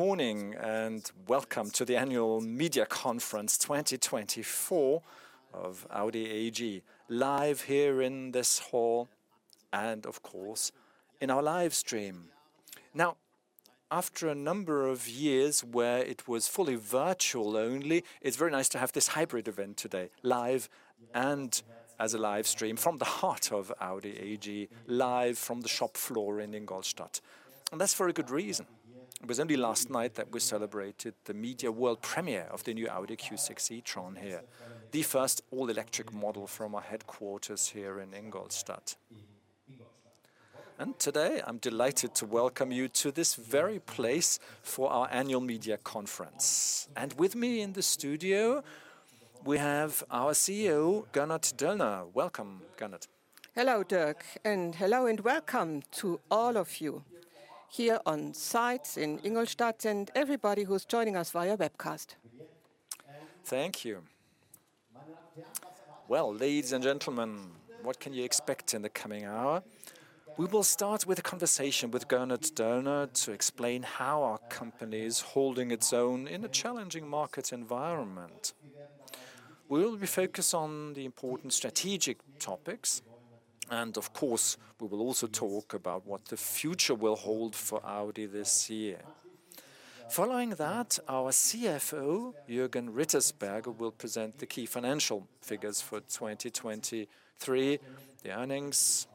Good morning, and welcome to the annual Media Conference 2024 of Audi AG, live here in this hall and, of course, in our live stream. Now, after a number of years where it was fully virtual only, it's very nice to have this hybrid event today, live and as a live stream from the heart of Audi AG, live from the shop floor in Ingolstadt. That's for a good reason. It was only last night that we celebrated the media world premiere of the new Audi Q6 e-tron here, the first all-electric model from our headquarters here in Ingolstadt. Today, I'm delighted to welcome you to this very place for our annual media conference. With me in the studio, we have our CEO, Gernot Döllner. Welcome, Gernot. Hello, Dirk, and hello and welcome to all of you here on site in Ingolstadt and everybody who's joining us via webcast. Thank you. Well, ladies and gentlemen, what can you expect in the coming hour? We will start with a conversation with Gernot Döllner to explain how our company is holding its own in a challenging market environment. We will be focused on the important strategic topics, and of course, we will also talk about what the future will hold for Audi this year. Following that, our CFO, Jürgen Rittersberger, will present the key financial figures for 2023, the earnings,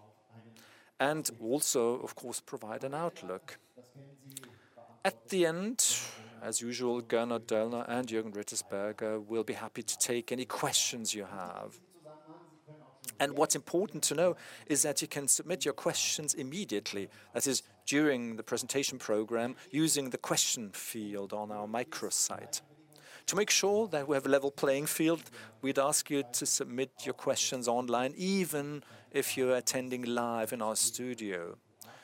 and also, of course, provide an outlook. At the end, as usual, Gernot Döllner and Jürgen Rittersberger will be happy to take any questions you have. What's important to know is that you can submit your questions immediately, that is, during the presentation program, using the question field on our microsite. To make sure that we have a level playing field, we'd ask you to submit your questions online, even if you're attending live in our studio,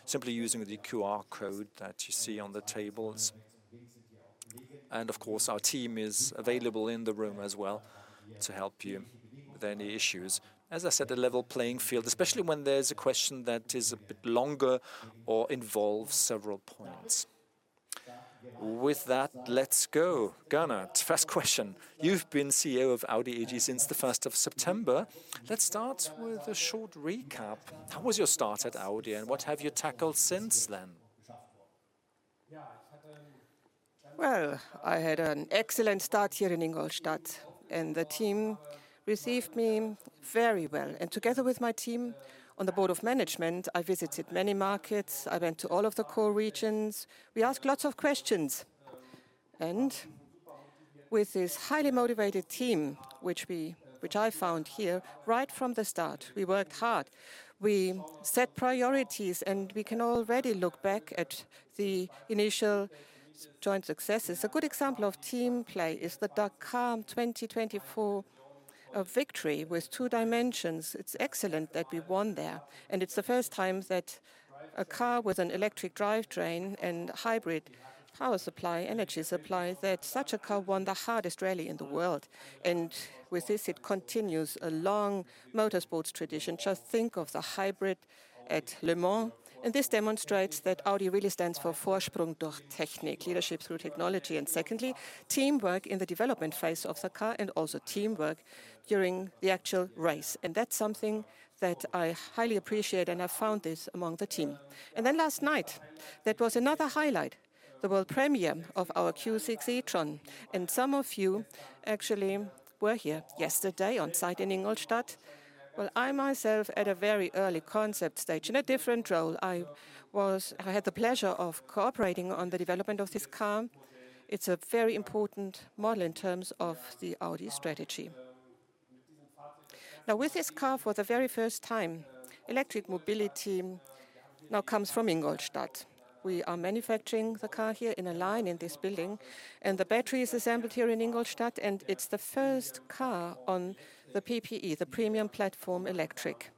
simply using the QR code that you see on the tables. Of course, our team is available in the room as well to help you with any issues. As I said, a level playing field, especially when there's a question that is a bit longer or involves several points. With that, let's go. Gernot, first question. You've been CEO of Audi AG since the first of September. Let's start with a short recap. How was your start at Audi, and what have you tackled since then? Well, I had an excellent start here in Ingolstadt, and the team received me very well. Together with my team on the board of management, I visited many markets. I went to all of the core regions. We asked lots of questions. With this highly motivated team, which I found here right from the start, we worked hard. We set priorities, and we can already look back at the initial joint successes. A good example of team play is the Dakar 2024 victory with two dimensions. It's excellent that we won there, and it's the first time that a car with an electric drivetrain and hybrid power supply, energy supply, that such a car won the hardest rally in the world. With this, it continues a long motorsports tradition. Just think of the hybrid at Le Mans, and this demonstrates that Audi really stands for Vorsprung durch Technik, leadership through technology. Secondly, teamwork in the development phase of the car and also teamwork during the actual race, and that's something that I highly appreciate, and I found this among the team. Then last night, that was another highlight, the world premiere of our Q6 e-tron, and some of you actually were here yesterday on-site in Ingolstadt. Well, I myself, at a very early concept stage, in a different role, I had the pleasure of cooperating on the development of this car. It's a very important model in terms of the Audi strategy. Now, with this car, for the very first time, electric mobility now comes from Ingolstadt. We are manufacturing the car here in a line in this building, and the battery is assembled here in Ingolstadt, and it's the first car on the PPE, the Premium Platform Electric,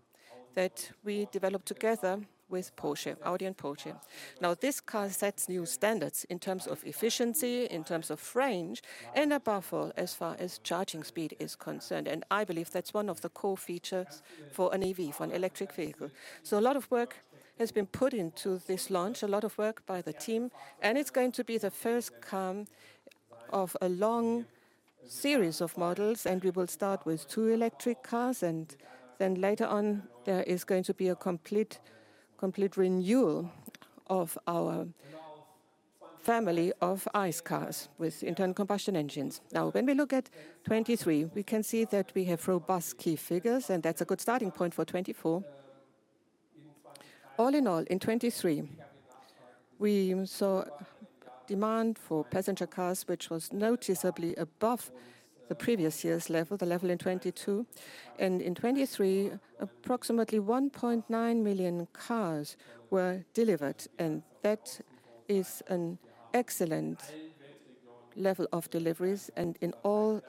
that we developed together with Porsche, Audi and Porsche. Now, this car sets new standards in terms of efficiency, in terms of range, and above all, as far as charging speed is concerned, and I believe that's one of the core features for an EV, for an electric vehicle. A lot of work has been put into this launch, a lot of work by the team, and it's going to be the first car of a long series of models, and we will start with two electric cars, and then later on, there is going to be a complete renewal of our family of ICE cars with internal combustion engines. Now, when we look at 2023, we can see that we have robust key figures, and that's a good starting point for 2024. All in all, in 2023, we saw demand for passenger cars, which was noticeably above the previous year's level, the level in 2022. In 2023, approximately 1.9 million cars were delivered, and that is an excellent level of deliveries, and in all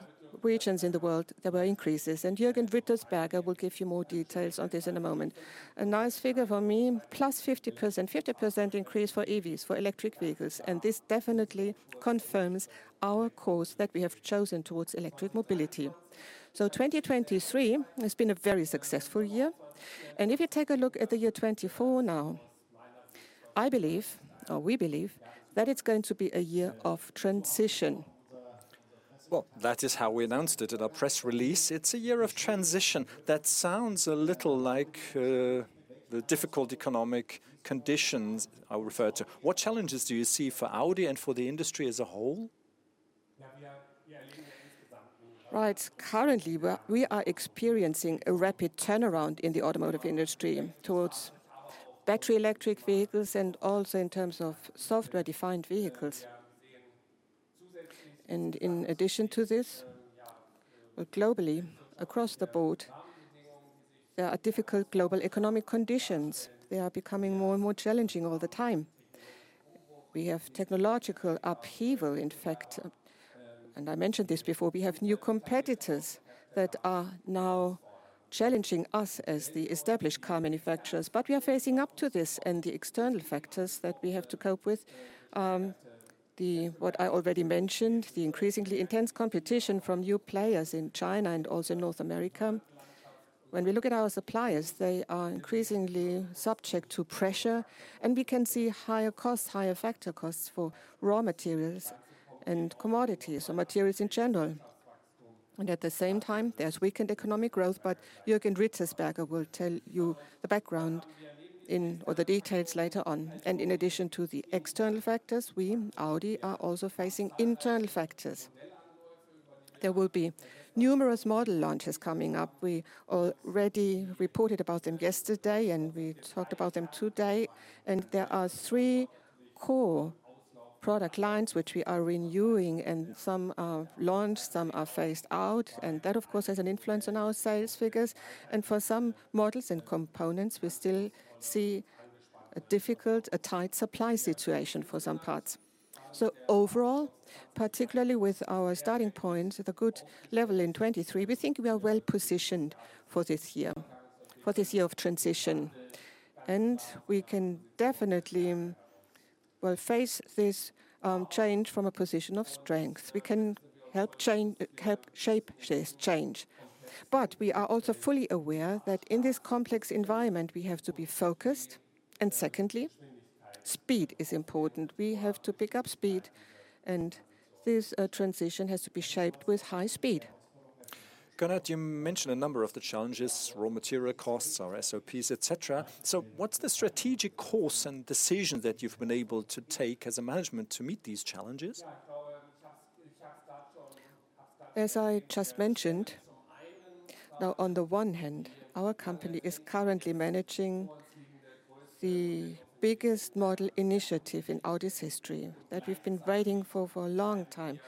regions in the world, there were increases. Jürgen Rittersberger will give you more details on this in a moment. A nice figure for me, +50% increase for EVs, for electric vehicles, and this definitely confirms our course that we have chosen towards electric mobility. 2023 has been a very successful year. If you take a look at the year 2024 now, I believe, or we believe, that it's going to be a year of transition. Well, that is how we announced it in our press release. It's a year of transition. That sounds a little like the difficult economic conditions I referred to. What challenges do you see for Audi and for the industry as a whole? Right. Currently, we are experiencing a rapid turnaround in the automotive industry towards battery electric vehicles, and also in terms of software-defined vehicles. In addition to this, well, globally, across the board, there are difficult global economic conditions. They are becoming more and more challenging all the time. We have technological upheaval, in fact, and I mentioned this before, we have new competitors that are now challenging us as the established car manufacturers. We are facing up to this and the external factors that we have to cope with. What I already mentioned, the increasingly intense competition from new players in China and also North America. When we look at our suppliers, they are increasingly subject to pressure, and we can see higher costs, higher factor costs for raw materials and commodities or materials in general. At the same time, there's weakened economic growth, but Jürgen Rittersberger will tell you the background and the details later on. In addition to the external factors, we, Audi, are also facing internal factors. There will be numerous model launches coming up. We already reported about them yesterday, and we talked about them today. There are three core product lines which we are renewing, and some are launched, some are phased out. That, of course, has an influence on our sales figures. For some models and components, we still see a difficult, tight supply situation for some parts. Overall, particularly with our starting point at a good level in 2023, we think we are well-positioned for this year of transition. We can definitely, well, face this change from a position of strength. We can help change, help shape this change. We are also fully aware that in this complex environment, we have to be focused, and secondly, speed is important. We have to pick up speed, and this transition has to be shaped with high speed. Gernot, you mentioned a number of the challenges, raw material costs or SOPs, et cetera. What's the strategic course and decision that you've been able to take as a management to meet these challenges? As I just mentioned, now on the one hand, our company is currently managing the biggest model initiative in Audi's history, that we've been waiting for for a long time.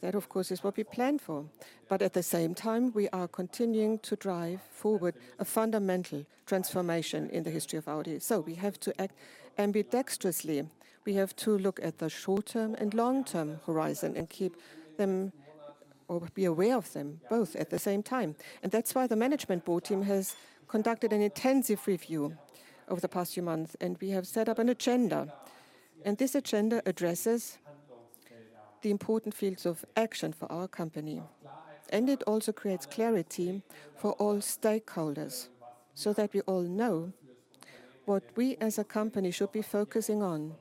That, of course, is what we planned for. At the same time, we are continuing to drive forward a fundamental transformation in the history of Audi. We have to act ambidextrously. We have to look at the short-term and long-term horizon and keep them or be aware of them both at the same time. That's why the management board team has conducted an intensive review over the past few months, and we have set up an agenda, and this agenda addresses the important fields of action for our company. It also creates clarity for all stakeholders, so that we all know what we as a company should be focusing on,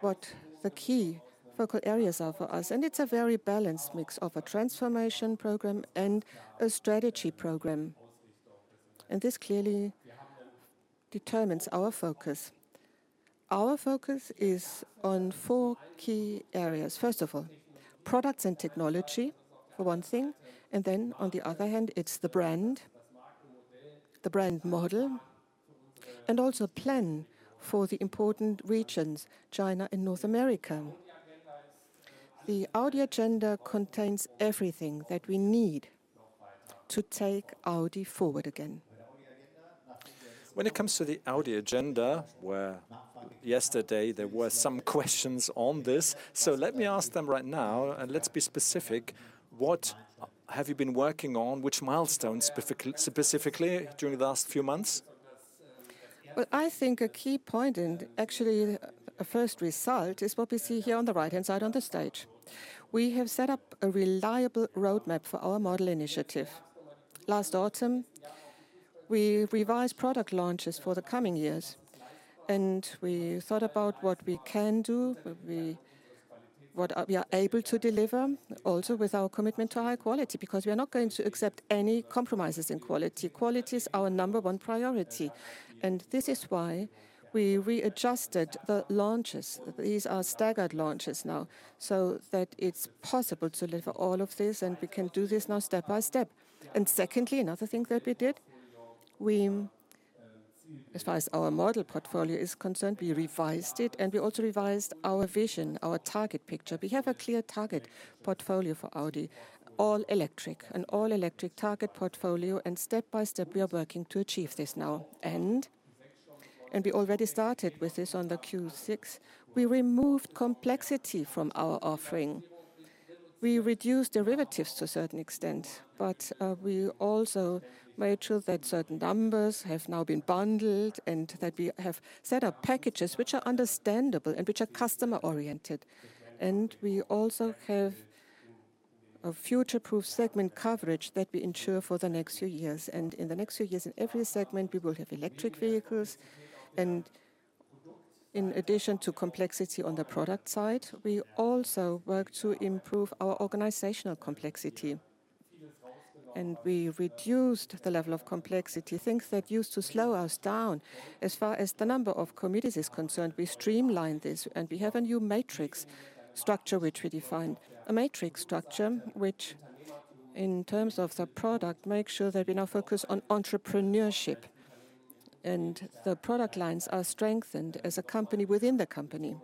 what the key focal areas are for us. It's a very balanced mix of a transformation program and a strategy program. This clearly determines our focus. Our focus is on four key areas. First of all, products and technology for one thing, and then on the other hand, it's the brand, the brand model, and also plan for the important regions, China and North America. The Audi Agenda contains everything that we need to take Audi forward again. When it comes to the Audi Agenda, where yesterday there were some questions on this, so let me ask them right now, and let's be specific. What have you been working on, which milestones specifically during the last few months? Well, I think a key point and actually a first result is what we see here on the right-hand side on the stage. We have set up a reliable roadmap for our model initiative. Last autumn, we revised product launches for the coming years, and we thought about what we can do, what we are able to deliver also with our commitment to high quality, because we are not going to accept any compromises in quality. Quality is our number one priority, and this is why we readjusted the launches. These are staggered launches now, so that it's possible to deliver all of this, and we can do this now step by step. Secondly, another thing that we did, as far as our model portfolio is concerned, we revised it, and we also revised our vision, our target picture. We have a clear target portfolio for Audi, all electric, an all-electric target portfolio, and step by step, we are working to achieve this now. We already started with this on the Q6 e-tron. We removed complexity from our offering. We reduced derivatives to a certain extent, but we also made sure that certain numbers have now been bundled and that we have set up packages which are understandable and which are customer-oriented. We also have a future-proof segment coverage that we ensure for the next few years. In the next few years, in every segment, we will have electric vehicles. In addition to complexity on the product side, we also work to improve our organizational complexity. We reduced the level of complexity, things that used to slow us down. As far as the number of committees is concerned, we streamlined this, and we have a new matrix structure which we defined. A matrix structure, which in terms of the product, makes sure that we now focus on entrepreneurship. The product lines are strengthened as a company within the company.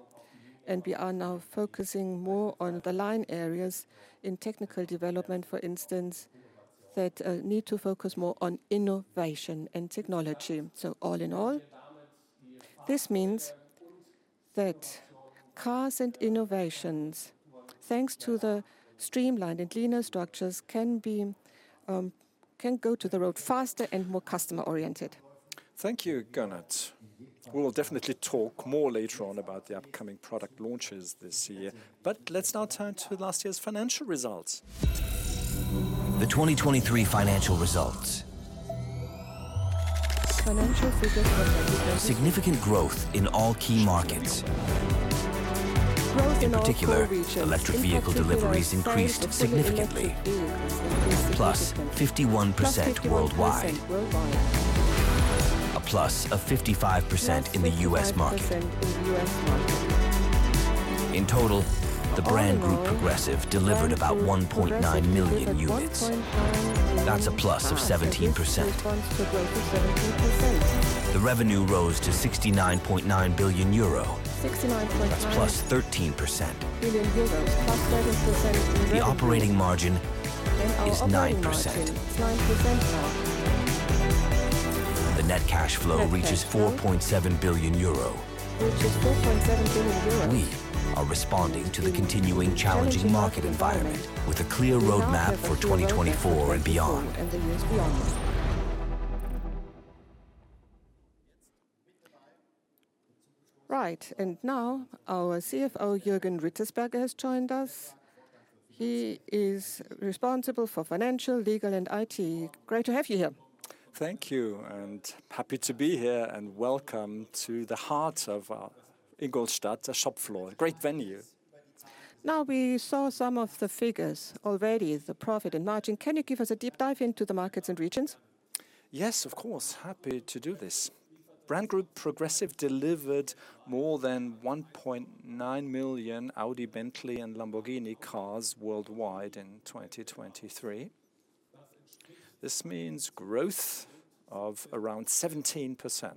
We are now focusing more on the line areas in technical development, for instance, that need to focus more on innovation and technology. All in all, this means that cars and innovations, thanks to the streamlined and cleaner structures, can go to the road faster and more customer-oriented. Thank you, Gernot. We will definitely talk more later on about the upcoming product launches this year. Let's now turn to last year's financial results. The 2023 financial results. Financial figures for 2023. Significant growth in all key markets. Growth in all core regions. In particular, electric vehicle deliveries increased significantly. Sales of electric vehicles increased significantly. +51% worldwide. +51% worldwide. A plus of 55% +55% in the U.S. market in the U.S. market. In total, the Brand Group Progressive delivered about 1.9 million units. About 1.9 million cars. That's a plus of 17%. This corresponds to a growth of 17%. The revenue rose to 69.9 billion euro. 69.9%. That's +13%. 1 billion euros, +13% in the previous year. The operating margin is 9%. Our operating margin is 9% now. The net cash flow. Net cash flow reaches 4.7 billion euro. Reaches 4.7 billion euro. We are responding to the continuing challenging market environment with a clear roadmap for 2024 and beyond. The years beyond. Right. Now our CFO, Jürgen Rittersberger, has joined us. He is responsible for financial, legal, and IT. Great to have you here. Thank you, and happy to be here, and welcome to the heart of Ingolstadt, the shop floor. Great venue. Now, we saw some of the figures already, the profit and margin. Can you give us a deep dive into the markets and regions? Yes, of course. Happy to do this. Brand Group Progressive delivered more than 1.9 million Audi, Bentley, and Lamborghini cars worldwide in 2023. This means growth of around 17%.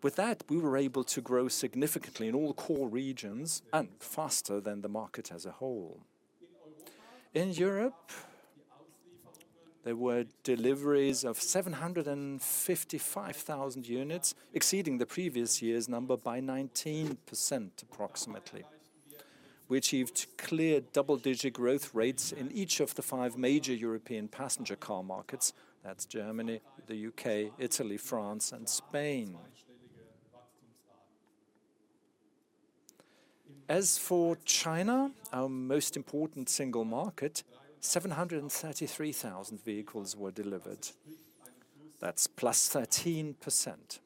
With that, we were able to grow significantly in all core regions and faster than the market as a whole. In Europe, there were deliveries of 755,000 units, exceeding the previous year's number by 19% approximately. We achieved clear double-digit growth rates in each of the five major European passenger car markets. That's Germany, the U.K., Italy, France, and Spain. As for China, our most important single market, 733,000 vehicles were delivered. That's +13%.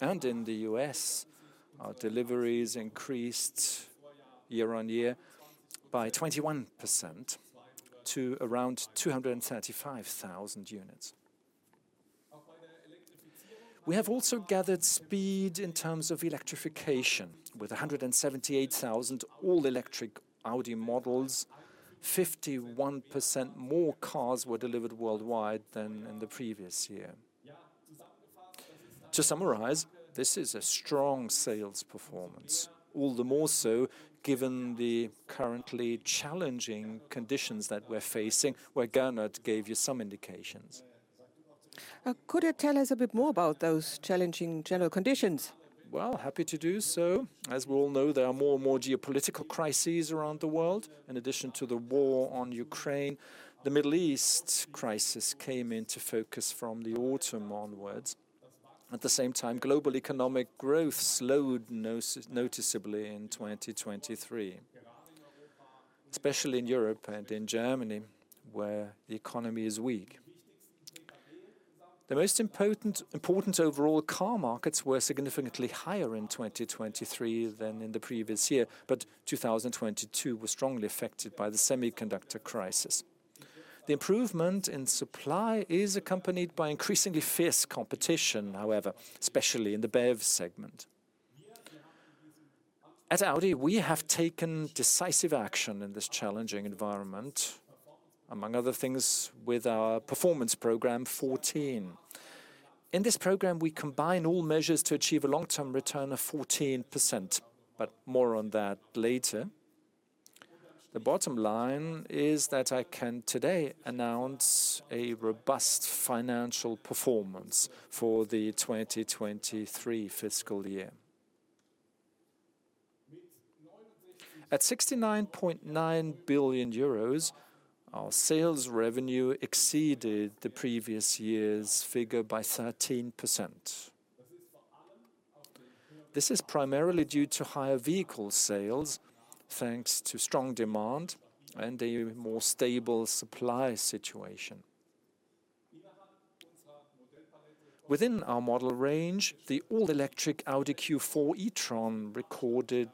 In the U.S., our deliveries increased year-on-year by 21% to around 235,000 units. We have also gathered speed in terms of electrification. With 178,000 all-electric Audi models, 51% more cars were delivered worldwide than in the previous year. To summarize, this is a strong sales performance, all the more so given the currently challenging conditions that we're facing, where Gernot gave you some indications. Could you tell us a bit more about those challenging general conditions? Well, happy to do so. As we all know, there are more and more geopolitical crises around the world. In addition to the war on Ukraine, the Middle East crisis came into focus from the autumn onwards. At the same time, global economic growth slowed noticeably in 2023, especially in Europe and in Germany, where the economy is weak. The most important overall car markets were significantly higher in 2023 than in the previous year, but 2022 was strongly affected by the semiconductor crisis. The improvement in supply is accompanied by increasingly fierce competition, however, especially in the BEV segment. At Audi, we have taken decisive action in this challenging environment, among other things, with our Performance Program 14. In this program, we combine all measures to achieve a long-term return of 14%, but more on that later. The bottom line is that I can today announce a robust financial performance for the 2023 fiscal year. At 69.9 billion euros, our sales revenue exceeded the previous year's figure by 13%. This is primarily due to higher vehicle sales thanks to strong demand and a more stable supply situation. Within our model range, the all-electric Audi Q4 e-tron recorded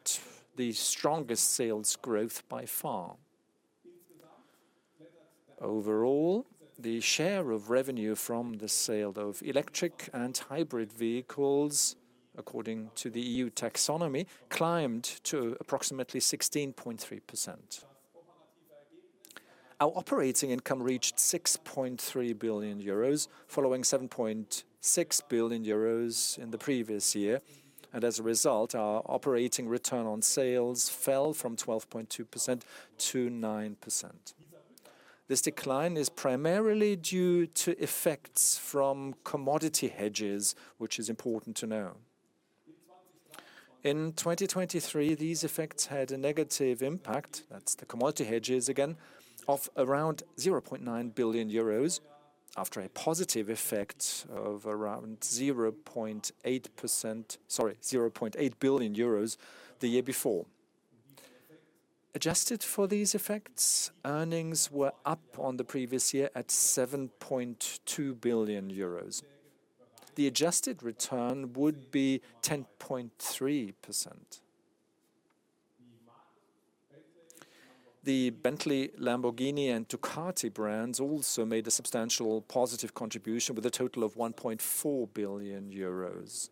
the strongest sales growth by far. Overall, the share of revenue from the sale of electric and hybrid vehicles, according to the EU taxonomy, climbed to approximately 16.3%. Our operating income reached 6.3 billion euros, following 7.6 billion euros in the previous year. As a result, our operating return on sales fell from 12.2% to 9%. This decline is primarily due to effects from commodity hedges, which is important to know. In 2023, these effects had a negative impact, that's the commodity hedges again, of around 0.9 billion euros after a positive effect of around 0.8 billion euros the year before. Adjusted for these effects, earnings were up on the previous year at 7.2 billion euros. The adjusted return would be 10.3%. The Bentley, Lamborghini and Ducati brands also made a substantial positive contribution with a total of 1.4 billion euros.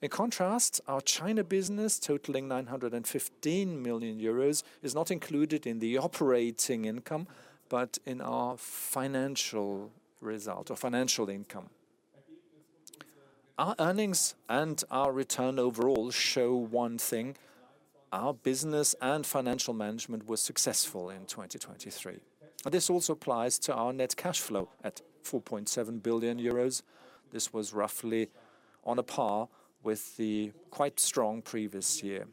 In contrast, our China business, totaling 915 million euros, is not included in the operating income, but in our financial result or financial income. Our earnings and our return overall show one thing, our business and financial management was successful in 2023. This also applies to our net cash flow at 4.7 billion euros. This was roughly on a par with the quite strong previous year.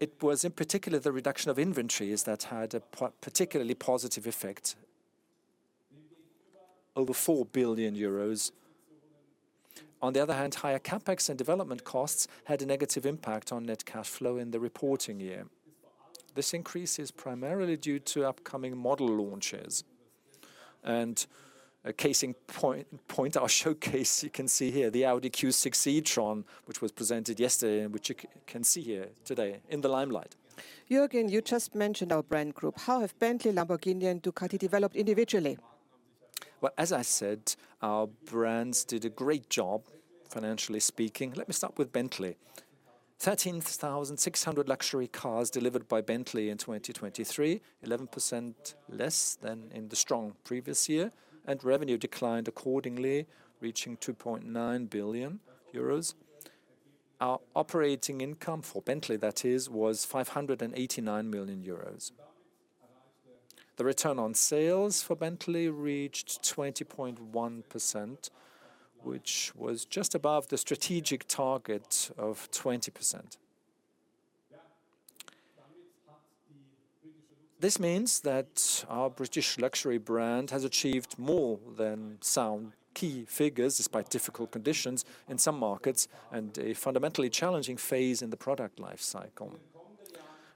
It was in particular, the reduction of inventories that had a particularly positive effect, over 4 billion euros. On the other hand, higher CapEx and development costs had a negative impact on net cash flow in the reporting year. This increase is primarily due to upcoming model launches. A case in point, our showcase, you can see here the Audi Q6 e-tron, which was presented yesterday, and which you can see here today in the limelight. Jürgen, you just mentioned our brand group. How have Bentley, Lamborghini and Ducati developed individually? Well, as I said, our brands did a great job, financially speaking. Let me start with Bentley. 13,600 luxury cars delivered by Bentley in 2023, 11% less than in the strong previous year, and revenue declined accordingly, reaching 2.9 billion euros. Our operating income for Bentley, that is, was 589 million euros. The return on sales for Bentley reached 20.1%, which was just above the strategic target of 20%. This means that our British luxury brand has achieved more than some key figures, despite difficult conditions in some markets and a fundamentally challenging phase in the product life cycle.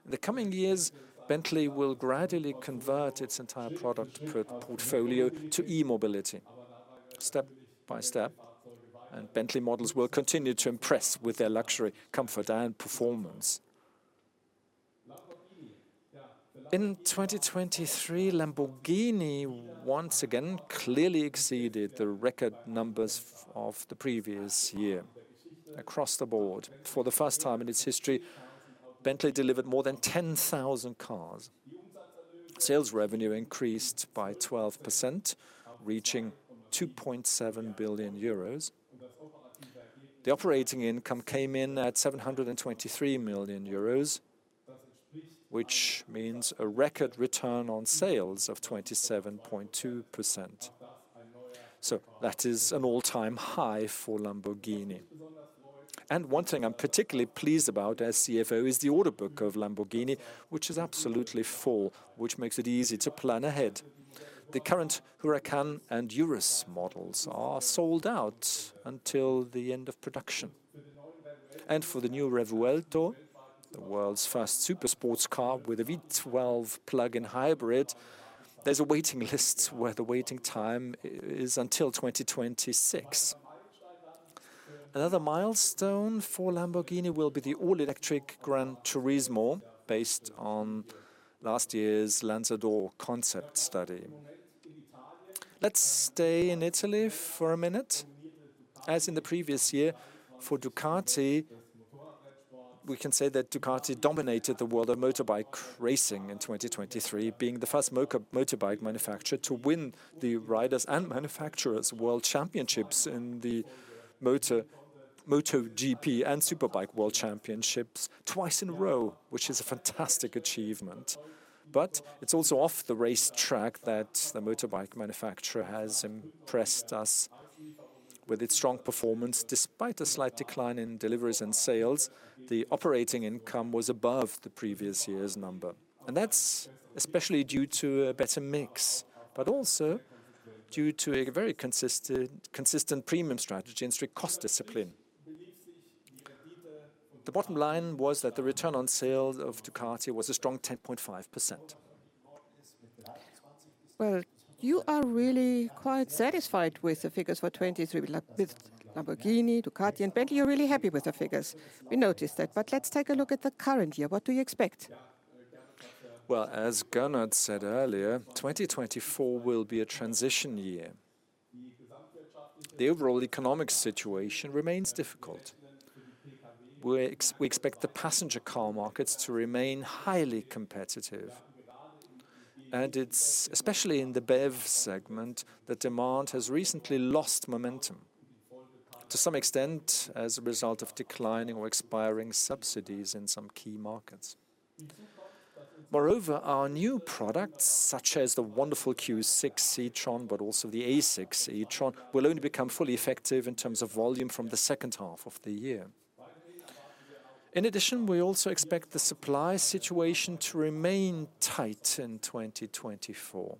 In the coming years, Bentley will gradually convert its entire product portfolio to e-mobility, step by step, and Bentley models will continue to impress with their luxury, comfort, and performance. In 2023, Lamborghini once again clearly exceeded the record numbers of the previous year across the board. For the first time in its history, Bentley delivered more than 10,000 cars. Sales revenue increased by 12%, reaching 2.7 billion euros. The operating income came in at 723 million euros, which means a record return on sales of 27.2%. That is an all-time high for Lamborghini. One thing I'm particularly pleased about as CFO is the order book of Lamborghini, which is absolutely full, which makes it easy to plan ahead. The current Huracán and Urus models are sold out until the end of production. For the new Revuelto, the world's first super sports car with a V12 plug-in hybrid, there's a waiting list where the waiting time is until 2026. Another milestone for Lamborghini will be the all-electric GranTurismo based on last year's Lanzador concept study. Let's stay in Italy for a minute. As in the previous year, for Ducati, we can say that Ducati dominated the world of motorbike racing in 2023, being the first motorbike manufacturer to win the Riders' and Manufacturers' World Championships in the MotoGP and Superbike World Championship twice in a row, which is a fantastic achievement. It's also off the racetrack that the motorbike manufacturer has impressed us with its strong performance. Despite a slight decline in deliveries and sales, the operating income was above the previous year's number. That's especially due to a better mix, but also due to a very consistent premium strategy and strict cost discipline. The bottom line was that the return on sales of Ducati was a strong 10.5%. Well, you are really quite satisfied with the figures for 2023. Like with Lamborghini, Ducati, you're really happy with the figures. We noticed that. Let's take a look at the current year. What do you expect? Well, as Gernot said earlier, 2024 will be a transition year. The overall economic situation remains difficult. We expect the passenger car markets to remain highly competitive. It's especially in the BEV segment that demand has recently lost momentum, to some extent as a result of declining or expiring subsidies in some key markets. Moreover, our new products, such as the wonderful Q6 e-tron, but also the A6 e-tron, will only become fully effective in terms of volume from the second half of the year. In addition, we also expect the supply situation to remain tight in 2024.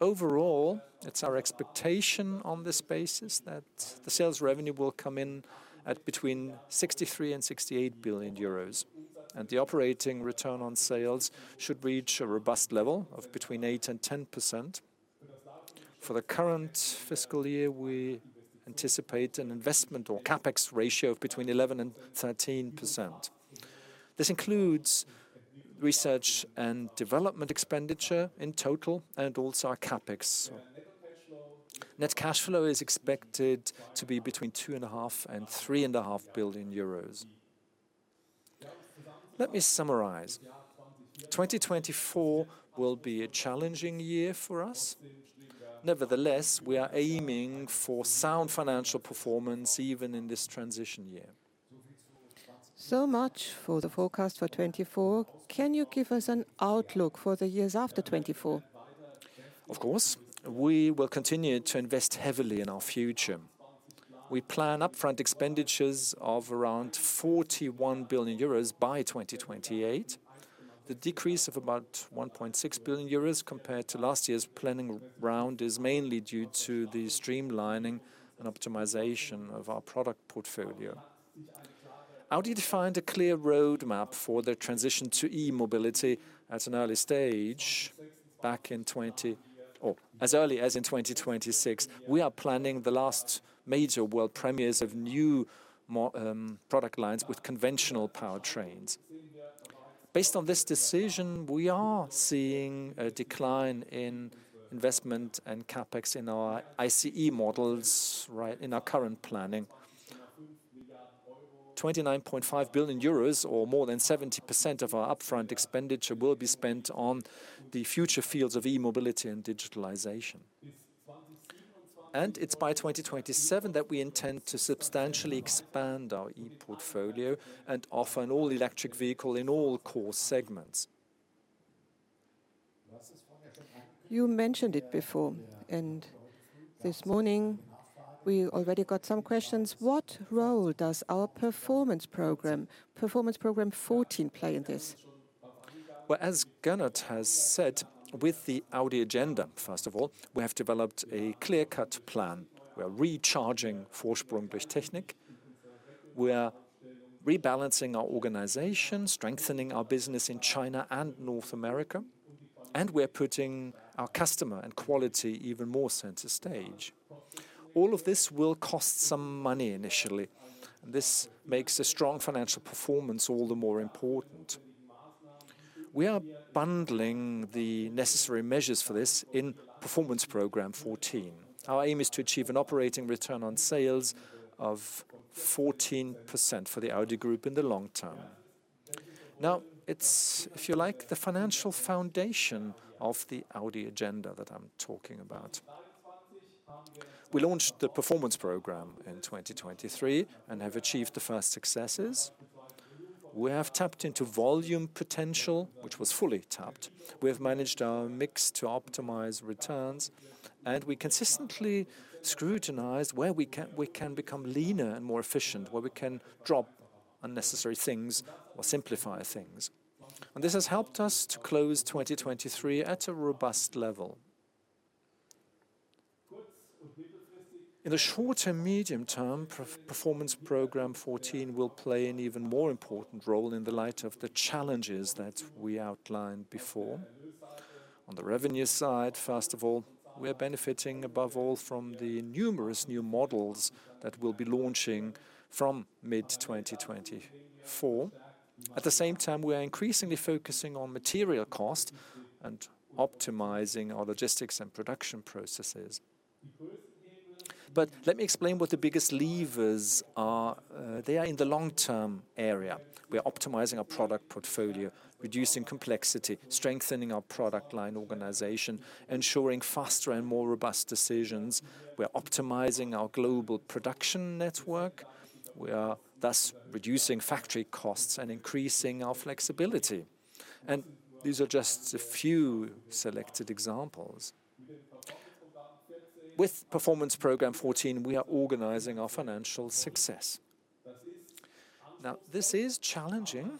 Overall, it's our expectation on this basis that the sales revenue will come in at between 63 billion and 68 billion euros, and the operating return on sales should reach a robust level of between 8% and 10%. For the current fiscal year, we anticipate an investment or CapEx ratio of between 11% and 13%. This includes research and development expenditure in total and also our CapEx. Net cash flow is expected to be between 2.5 billion euros and EUR 3.5 billion. Let me summarize. 2024 will be a challenging year for us. Nevertheless, we are aiming for sound financial performance even in this transition year. Much for the forecast for 2024. Can you give us an outlook for the years after 2024? Of course. We will continue to invest heavily in our future. We plan upfront expenditures of around 41 billion euros by 2028. The decrease of about 1.6 billion euros compared to last year's planning round is mainly due to the streamlining and optimization of our product portfolio. Audi defined a clear roadmap for the transition to e-mobility at an early stage. As early as in 2026, we are planning the last major world premieres of new product lines with conventional powertrains. Based on this decision, we are seeing a decline in investment and CapEx in our ICE models, right, in our current planning. 29.5 billion euros or more than 70% of our upfront expenditure will be spent on the future fields of e-mobility and digitalization. It's by 2027 that we intend to substantially expand our e-portfolio and offer an all-electric vehicle in all core segments. You mentioned it before, and this morning we already got some questions. What role does our Performance Program 14 play in this? Well, as Gernot has said, with the Audi Agenda, first of all, we have developed a clear-cut plan. We are recharging Vorsprung durch Technik. We are rebalancing our organization, strengthening our business in China and North America, and we're putting our customer and quality even more center stage. All of this will cost some money initially. This makes a strong financial performance all the more important. We are bundling the necessary measures for this in Performance Program 14. Our aim is to achieve an operating return on sales of 14% for the Audi Group in the long term. Now, it's, if you like, the financial foundation of the Audi Agenda that I'm talking about. We launched the Performance Program in 2023 and have achieved the first successes. We have tapped into volume potential, which was not fully tapped. We have managed our mix to optimize returns, and we consistently scrutinize where we can become leaner and more efficient, where we can drop unnecessary things or simplify things. This has helped us to close 2023 at a robust level. In the short and medium term, Performance Program 14 will play an even more important role in the light of the challenges that we outlined before. On the revenue side, first of all, we are benefiting above all from the numerous new models that we'll be launching from mid-2024. At the same time, we are increasingly focusing on material cost and optimizing our logistics and production processes. Let me explain what the biggest levers are. They are in the long-term area. We are optimizing our product portfolio, reducing complexity, strengthening our product line organization, ensuring faster and more robust decisions. We are optimizing our global production network. We are thus reducing factory costs and increasing our flexibility, and these are just a few selected examples. With Performance Program 14, we are organizing our financial success. Now, this is challenging,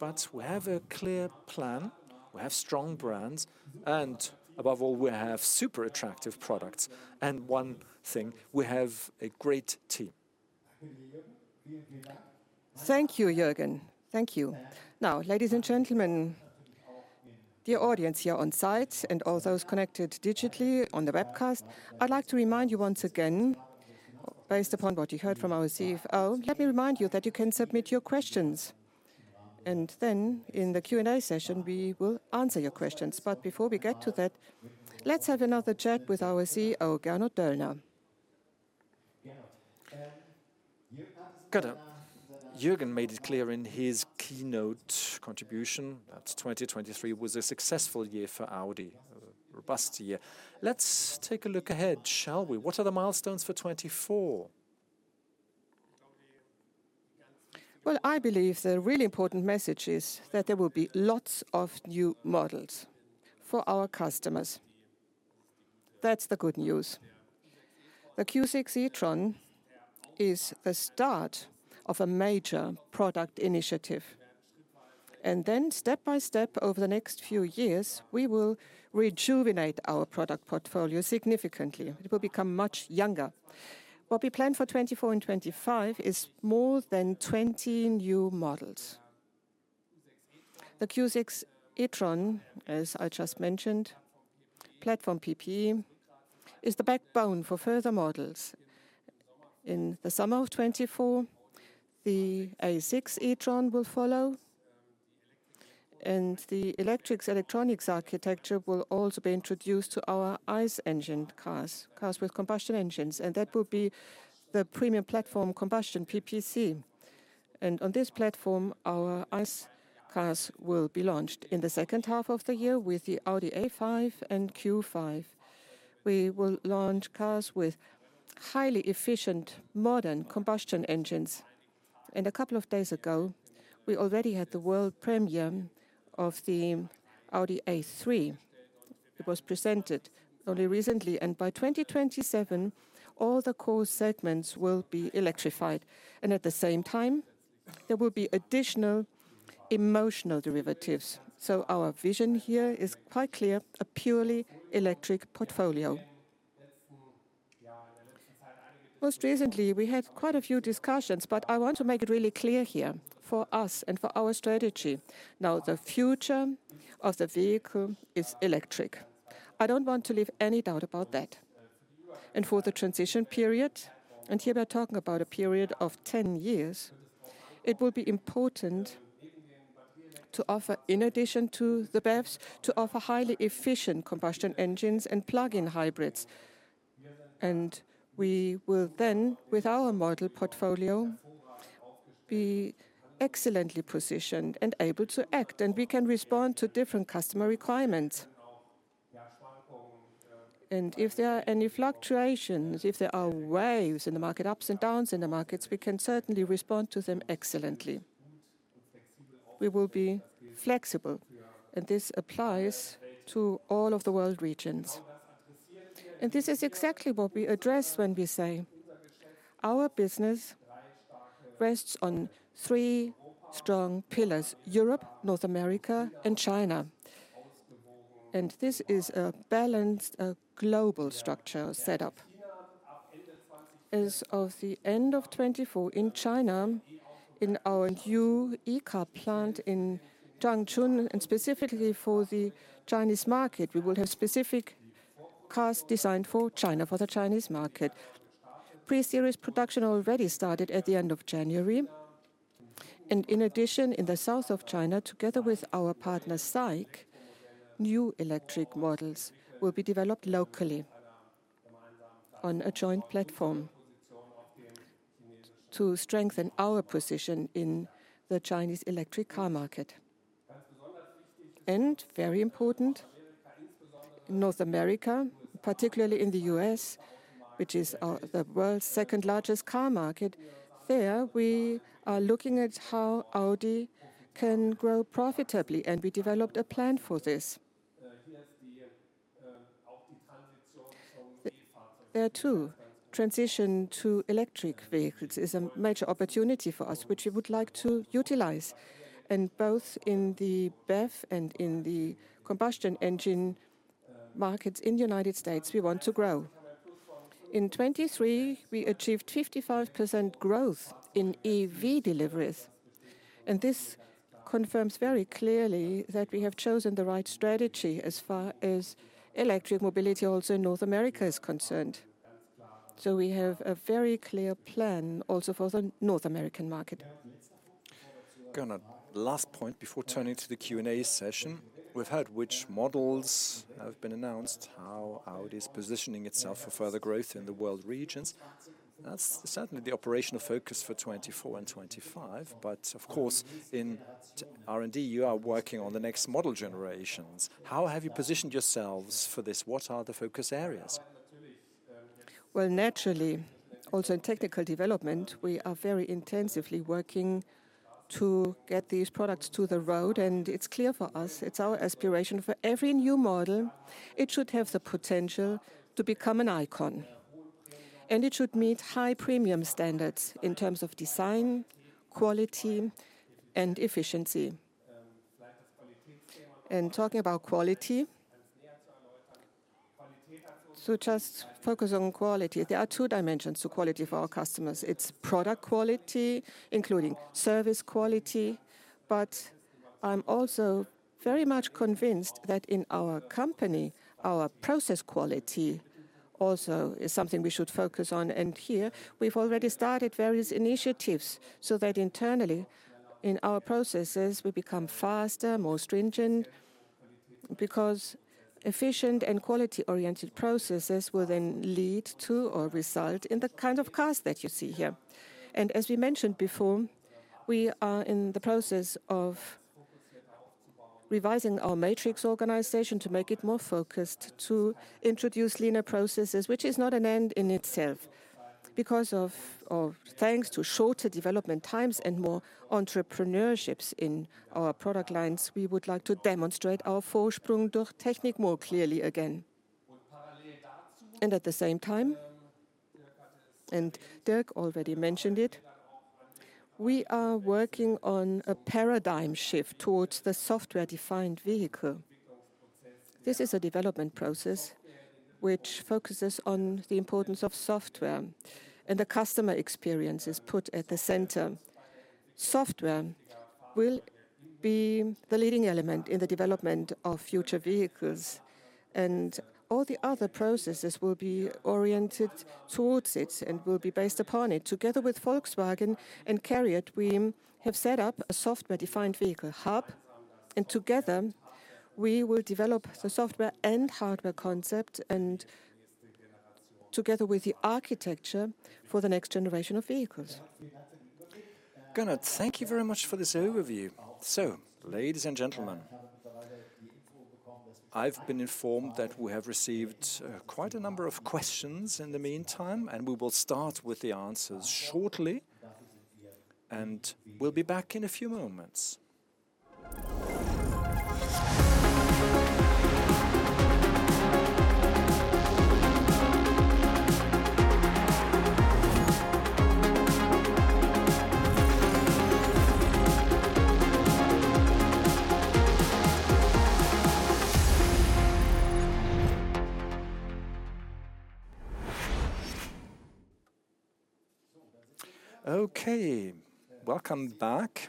but we have a clear plan, we have strong brands, and above all, we have super attractive products. One thing, we have a great team. Thank you, Jürgen. Thank you. Now, ladies and gentlemen, the audience here on site and all those connected digitally on the webcast, I'd like to remind you once again, based upon what you heard from our CFO, let me remind you that you can submit your questions, and then in the Q&A session, we will answer your questions. Before we get to that, let's have another chat with our CEO, Gernot Döllner. Gernot. Gernot, Jürgen made it clear in his keynote contribution that 2023 was a successful year for Audi, a robust year. Let's take a look ahead, shall we? What are the milestones for 2024? Well, I believe the really important message is that there will be lots of new models for our customers. That's the good news. The Q6 e-tron is the start of a major product initiative. step by step, over the next few years, we will rejuvenate our product portfolio significantly. It will become much younger. What we plan for 2024 and 2025 is more than 20 new models. The Q6 e-tron, as I just mentioned, platform PPE, is the backbone for further models. In the summer of 2024, the A6 e-tron will follow, and the Electronic Architecture will also be introduced to our ICE engine cars with combustion engines, and that will be the Premium Platform Combustion, PPC. On this platform, our ICE cars will be launched in the second half of the year with the Audi A5 and Q5. We will launch cars with highly efficient modern combustion engines. A couple of days ago, we already had the world premiere of the Audi A3. It was presented only recently, and by 2027, all the core segments will be electrified. At the same time, there will be additional emotional derivatives. Our vision here is quite clear, a purely electric portfolio. Most recently, we had quite a few discussions, but I want to make it really clear here for us and for our strategy, now the future of the vehicle is electric. I don't want to leave any doubt about that. For the transition period, and here we are talking about a period of 10 years, it will be important to offer, in addition to the BEVs, to offer highly efficient combustion engines and plug-in hybrids. We will then, with our model portfolio, be excellently positioned and able to act, and we can respond to different customer requirements. If there are any fluctuations, if there are waves in the market, ups and downs in the markets, we can certainly respond to them excellently. We will be flexible, and this applies to all of the world regions. This is exactly what we address when we say our business rests on three strong pillars, Europe, North America, and China. This is a balanced, a global structure set up. As of the end of 2024, in China, in our new e-car plant in Changchun, and specifically for the Chinese market, we will have specific cars designed for China, for the Chinese market. Pre-series production already started at the end of January. In addition, in the south of China, together with our partner, SAIC, new electric models will be developed locally on a joint platform to strengthen our position in the Chinese electric car market. Very important, North America, particularly in the U.S., which is the world's second-largest car market, there we are looking at how Audi can grow profitably, and we developed a plan for this. There too, transition to electric vehicles is a major opportunity for us, which we would like to utilize. Both in the BEV and in the combustion engine markets in the United States, we want to grow. In 2023, we achieved 55% growth in EV deliveries, and this confirms very clearly that we have chosen the right strategy as far as electric mobility also in North America is concerned. We have a very clear plan also for the North American market. Gernot, last point before turning to the Q&A session. We've heard which models have been announced, how Audi is positioning itself for further growth in the world regions. That's certainly the operational focus for 2024 and 2025, but of course, in R&D, you are working on the next model generations. How have you positioned yourselves for this? What are the focus areas? Well, naturally, also in technical development, we are very intensively working To get these products to the road, and it's clear for us, it's our aspiration for every new model, it should have the potential to become an icon, and it should meet high premium standards in terms of design, quality, and efficiency. Talking about quality, to just focus on quality, there are two dimensions to quality for our customers. It's product quality, including service quality. I'm also very much convinced that in our company, our process quality also is something we should focus on. Here we've already started various initiatives so that internally in our processes, we become faster, more stringent, because efficient and quality-oriented processes will then lead to or result in the kind of cars that you see here. We are in the process of revising our matrix organization to make it more focused, to introduce leaner processes, which is not an end in itself. Because thanks to shorter development times and more entrepreneurships in our product lines, we would like to demonstrate our Vorsprung durch Technik more clearly again. At the same time, and Dirk already mentioned it, we are working on a paradigm shift towards the software-defined vehicle. This is a development process which focuses on the importance of software, and the customer experience is put at the center. Software will be the leading element in the development of future vehicles, and all the other processes will be oriented towards it and will be based upon it. Together with Volkswagen and CARIAD, we have set up a software-defined vehicle hub, and together we will develop the software and hardware concept and together with the architecture for the next generation of vehicles. Gernot, thank you very much for this overview. Ladies and gentlemen, I've been informed that we have received quite a number of questions in the meantime, and we will start with the answers shortly. We'll be back in a few moments. Okay. Welcome back.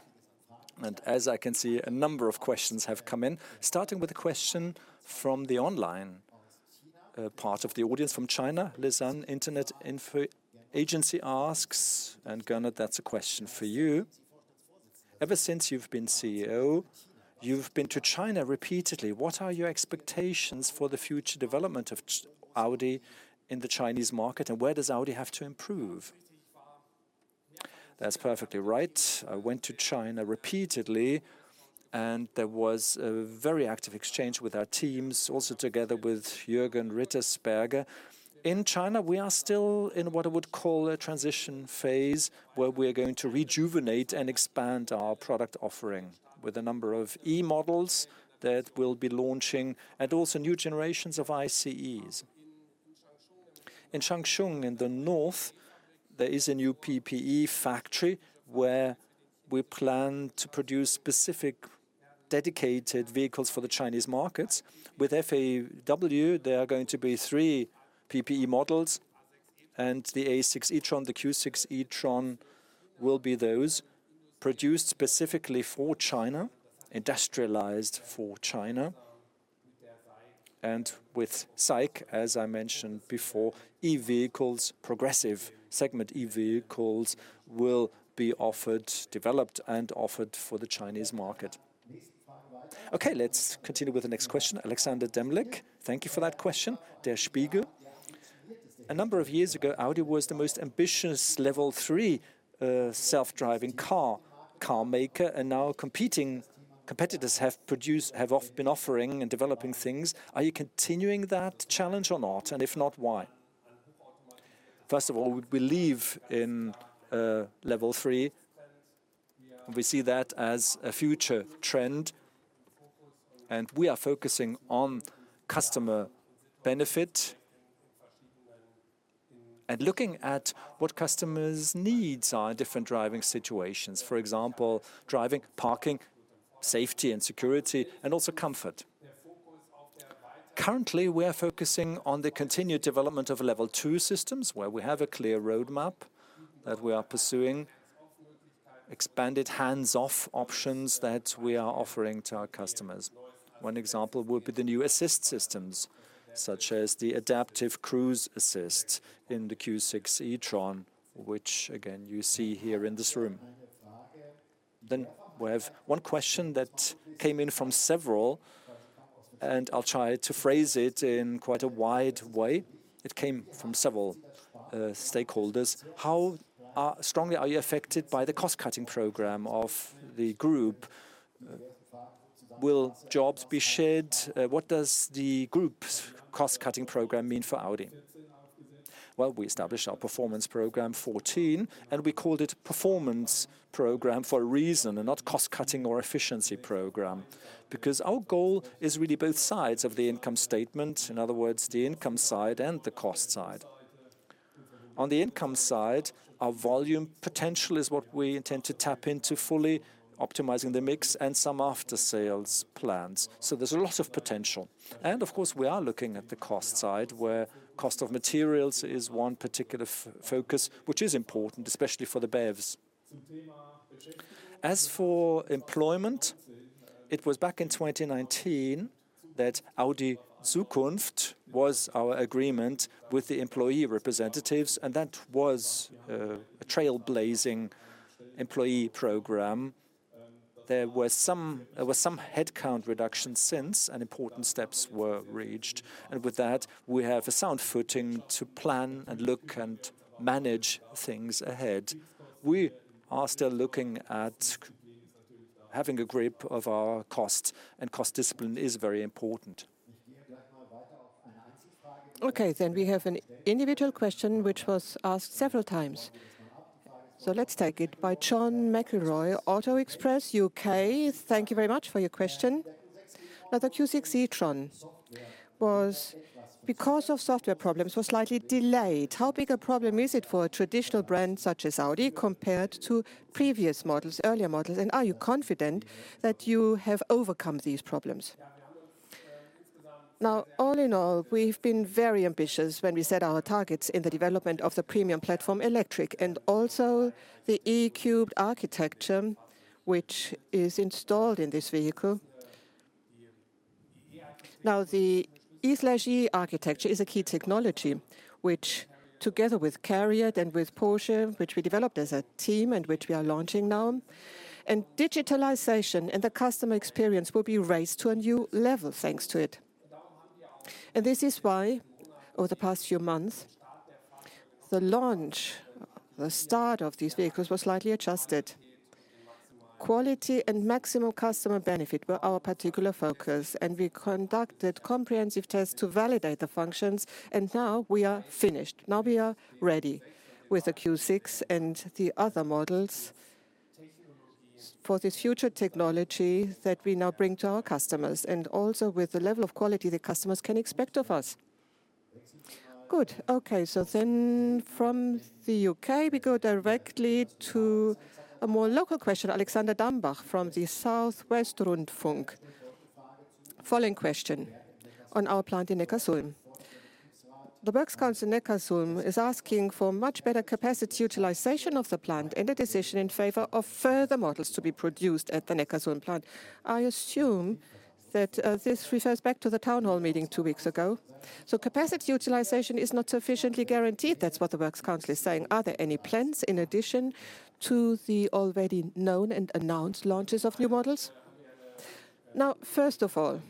As I can see, a number of questions have come in, starting with a question from the online part of the audience from China. Lizhang, Internet Information Agency asks, and Gernot, that's a question for you: Ever since you've been CEO, you've been to China repeatedly. What are your expectations for the future development of Audi in the Chinese market, and where does Audi have to improve? That's perfectly right. I went to China repeatedly, and there was a very active exchange with our teams, also together with Jürgen Rittersberger. In China, we are still in what I would call a transition phase, where we are going to rejuvenate and expand our product offering with a number of E models that we'll be launching and also new generations of ICEs. In Changchun in the north, there is a new PPE factory where we plan to produce specific dedicated vehicles for the Chinese markets. With FAW, there are going to be three PPE models, and the A6 e-tron, the Q6 e-tron will be those produced specifically for China, industrialized for China. With SAIC, as I mentioned before, E vehicles, progressive segment E vehicles will be offered, developed and offered for the Chinese market. Okay, let's continue with the next question. Alexander Demmig, thank you for that question. Der Spiegel. A number of years ago, Audi was the most ambitious Level 3 self-driving car maker, and now competitors have been offering and developing things. Are you continuing that challenge or not? And if not, why? First of all, we believe in Level 3. We see that as a future trend, and we are focusing on customer benefit and looking at what customers' needs are in different driving situations, for example, driving, parking, safety and security, and also comfort. Currently, we are focusing on the continued development of Level 2 systems, where we have a clear roadmap that we are pursuing, expanded hands-off options that we are offering to our customers. One example would be the new assist systems, such as the Adaptive Cruise Assist in the Q6 e-tron, which again, you see here in this room. We have one question that came in from several, and I'll try to phrase it in quite a wide way. It came from several stakeholders. How strongly are you affected by the cost-cutting program of the group? Will jobs be shed? What does the group's cost-cutting program mean for Audi? Well, we established our Performance Program 14, and we called it Performance Program for a reason, and not cost-cutting or efficiency program, because our goal is really both sides of the income statement, in other words, the income side and the cost side. On the income side, our volume potential is what we intend to tap into, fully optimizing the mix and some after-sales plans. So there's a lot of potential. Of course, we are looking at the cost side, where cost of materials is one particular focus, which is important, especially for the BEVs. As for employment, it was back in 2019 that Audi Zukunft was our agreement with the employee representatives, and that was a trailblazing employee program. There were some headcount reductions since, and important steps were reached. With that, we have a sound footing to plan and look and manage things ahead. We are still looking at having a grip of our costs, and cost discipline is very important. Okay, we have an individual question which was asked several times. Let's take it, by John McElroy, Autoline, U.K. Thank you very much for your question. Now, the Q6 e-tron, because of software problems, was slightly delayed. How big a problem is it for a traditional brand such as Audi compared to previous models, earlier models? And are you confident that you have overcome these problems? Now, all in all, we've been very ambitious when we set our targets in the development of the Premium Platform Electric, and also the E³ architecture, which is installed in this vehicle. Now, the E³ architecture is a key technology which, together with CARIAD and with Porsche, which we developed as a team and which we are launching now, and digitalization and the customer experience will be raised to a new level thanks to it. This is why, over the past few months, the launch, the start of these vehicles was slightly adjusted. Quality and maximum customer benefit were our particular focus, and we conducted comprehensive tests to validate the functions, and now we are finished. Now we are ready with the Q6 and the other models for this future technology that we now bring to our customers, and also with the level of quality the customers can expect of us. Good. Okay. from the U.K., we go directly to a more local question, Alexander Dambach from Südwestrundfunk. Following question on our plant in Neckarsulm. The works council in Neckarsulm is asking for much better capacity utilization of the plant and a decision in favor of further models to be produced at the Neckarsulm plant. I assume that this refers back to the town hall meeting two weeks ago. Capacity utilization is not sufficiently guaranteed. That's what the works council is saying. Are there any plans in addition to the already known and announced launches of new models? Now, first of all,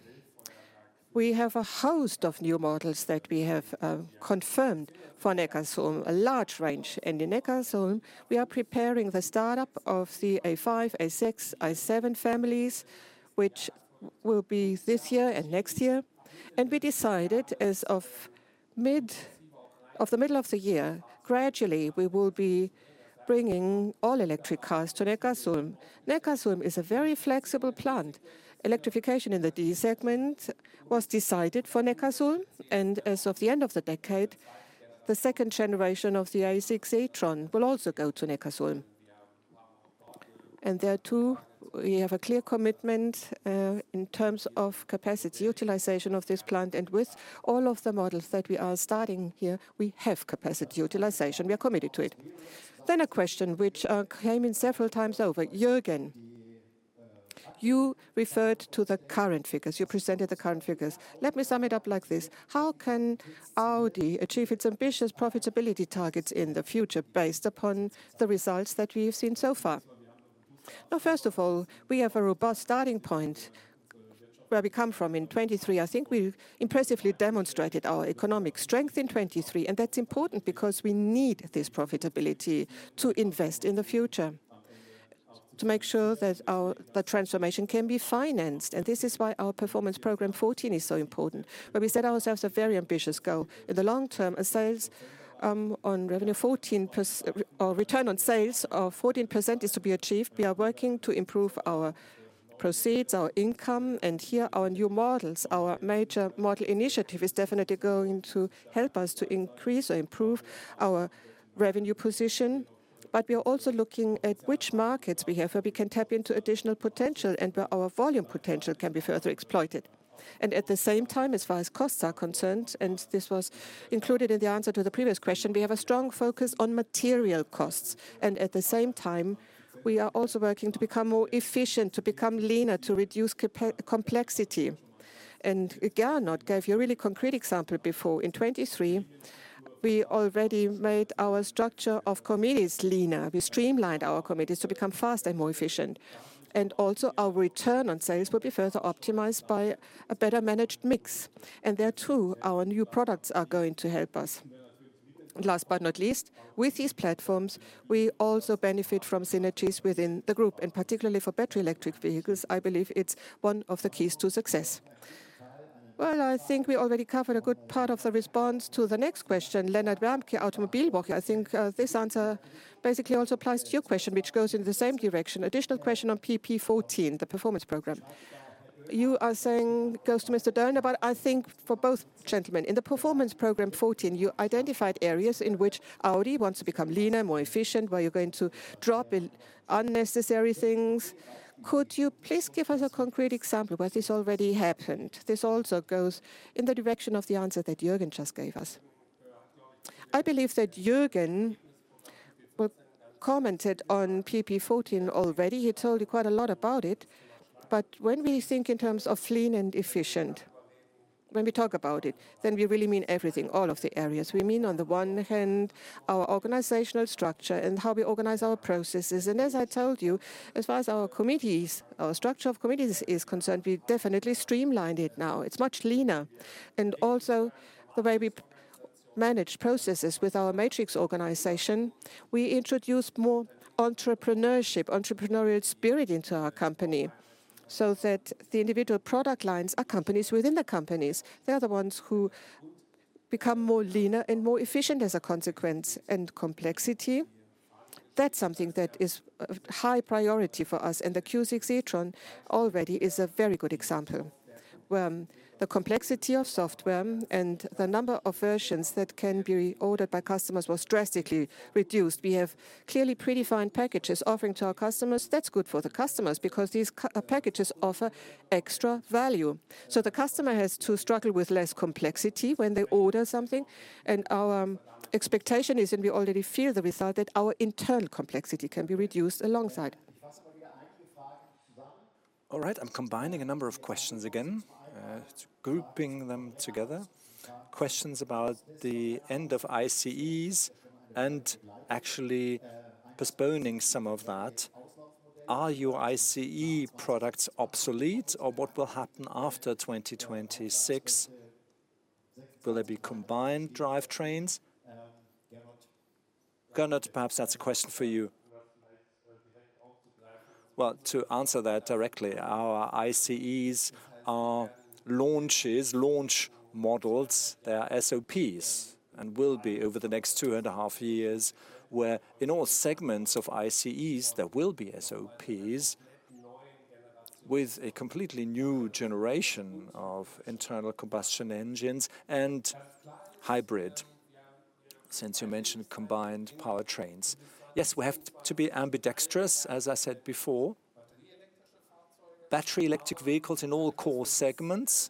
we have a host of new models that we have confirmed for Neckarsulm, a large range. In Neckarsulm, we are preparing the startup of the A5, A6, A7 families, which will be this year and next year. We decided as of the middle of the year, gradually we will be bringing all-electric cars to Neckarsulm. Neckarsulm is a very flexible plant. Electrification in the D-segment was decided for Neckarsulm, and as of the end of the decade, the second generation of the A6 e-tron will also go to Neckarsulm. There, too, we have a clear commitment in terms of capacity utilization of this plant. With all of the models that we are starting here, we have capacity utilization. We are committed to it. A question which came in several times over. Jürgen, you referred to the current figures. You presented the current figures. Let me sum it up like this. How can Audi achieve its ambitious profitability targets in the future based upon the results that we have seen so far? Now, first of all, we have a robust starting point where we come from in 2023. I think we've impressively demonstrated our economic strength in 2023, and that's important because we need this profitability to invest in the future, to make sure that our transformation can be financed. This is why our Performance Program 14 is so important, where we set ourselves a very ambitious goal. In the long term, return on sales of 14% is to be achieved. We are working to improve our proceeds, our income, and here our new models, our major model initiative is definitely going to help us to increase or improve our revenue position. We are also looking at which markets we have, where we can tap into additional potential and where our volume potential can be further exploited. At the same time, as far as costs are concerned, and this was included in the answer to the previous question, we have a strong focus on material costs. We are also working to become more efficient, to become leaner, to reduce complexity. Gernot gave you a really concrete example before. In 2023, we already made our structure of committees leaner. We streamlined our committees to become faster and more efficient. Also our return on sales will be further optimized by a better managed mix. There, too, our new products are going to help us. Last but not least, with these platforms, we also benefit from synergies within the group, and particularly for battery electric vehicles, I believe it's one of the keys to success. Well, I think we already covered a good part of the response to the next question. Gregor Hebermehl, Automobilwoche. I think, this answer basically also applies to your question, which goes in the same direction. Additional question on PP14, the performance program. You are saying, goes to Mr. Döllner, but I think for both gentlemen. In the Performance Program 14, you identified areas in which Audi wants to become leaner, more efficient, where you're going to drop in unnecessary things. Could you please give us a concrete example where this already happened? This also goes in the direction of the answer that Jürgen just gave us. I believe that Jürgen, well, commented on PP14 already. He told you quite a lot about it. When we think in terms of lean and efficient, when we talk about it, then we really mean everything, all of the areas. We mean, on the one hand, our organizational structure and how we organize our processes. As I told you, as far as our committees, our structure of committees is concerned, we've definitely streamlined it now. It's much leaner. Also the way we manage processes with our matrix organization, we introduce more entrepreneurship, entrepreneurial spirit into our company, so that the individual product lines are companies within the companies. They are the ones who become more leaner and more efficient as a consequence. Complexity, that's something that is high priority for us. The Q6 e-tron already is a very good example, where the complexity of software and the number of versions that can be ordered by customers was drastically reduced. We have clearly predefined packages offering to our customers. That's good for the customers because these packages offer extra value. The customer has to struggle with less complexity when they order something. Our expectation is, and we already feel the result, that our internal complexity can be reduced alongside. All right, I'm combining a number of questions again, grouping them together. Questions about the end of ICEs and actually postponing some of that. Are your ICE products obsolete, or what will happen after 2026? Will there be combined drivetrains? Gernot, perhaps that's a question for you. Well, to answer that directly, our ICEs are launches, launch models. They are SOPs and will be over the next two and a half years, where in all segments of ICEs, there will be SOPs with a completely new generation of internal combustion engines and hybrid, since you mentioned combined powertrains. Yes, we have to be ambidextrous, as I said before. Battery electric vehicles in all core segments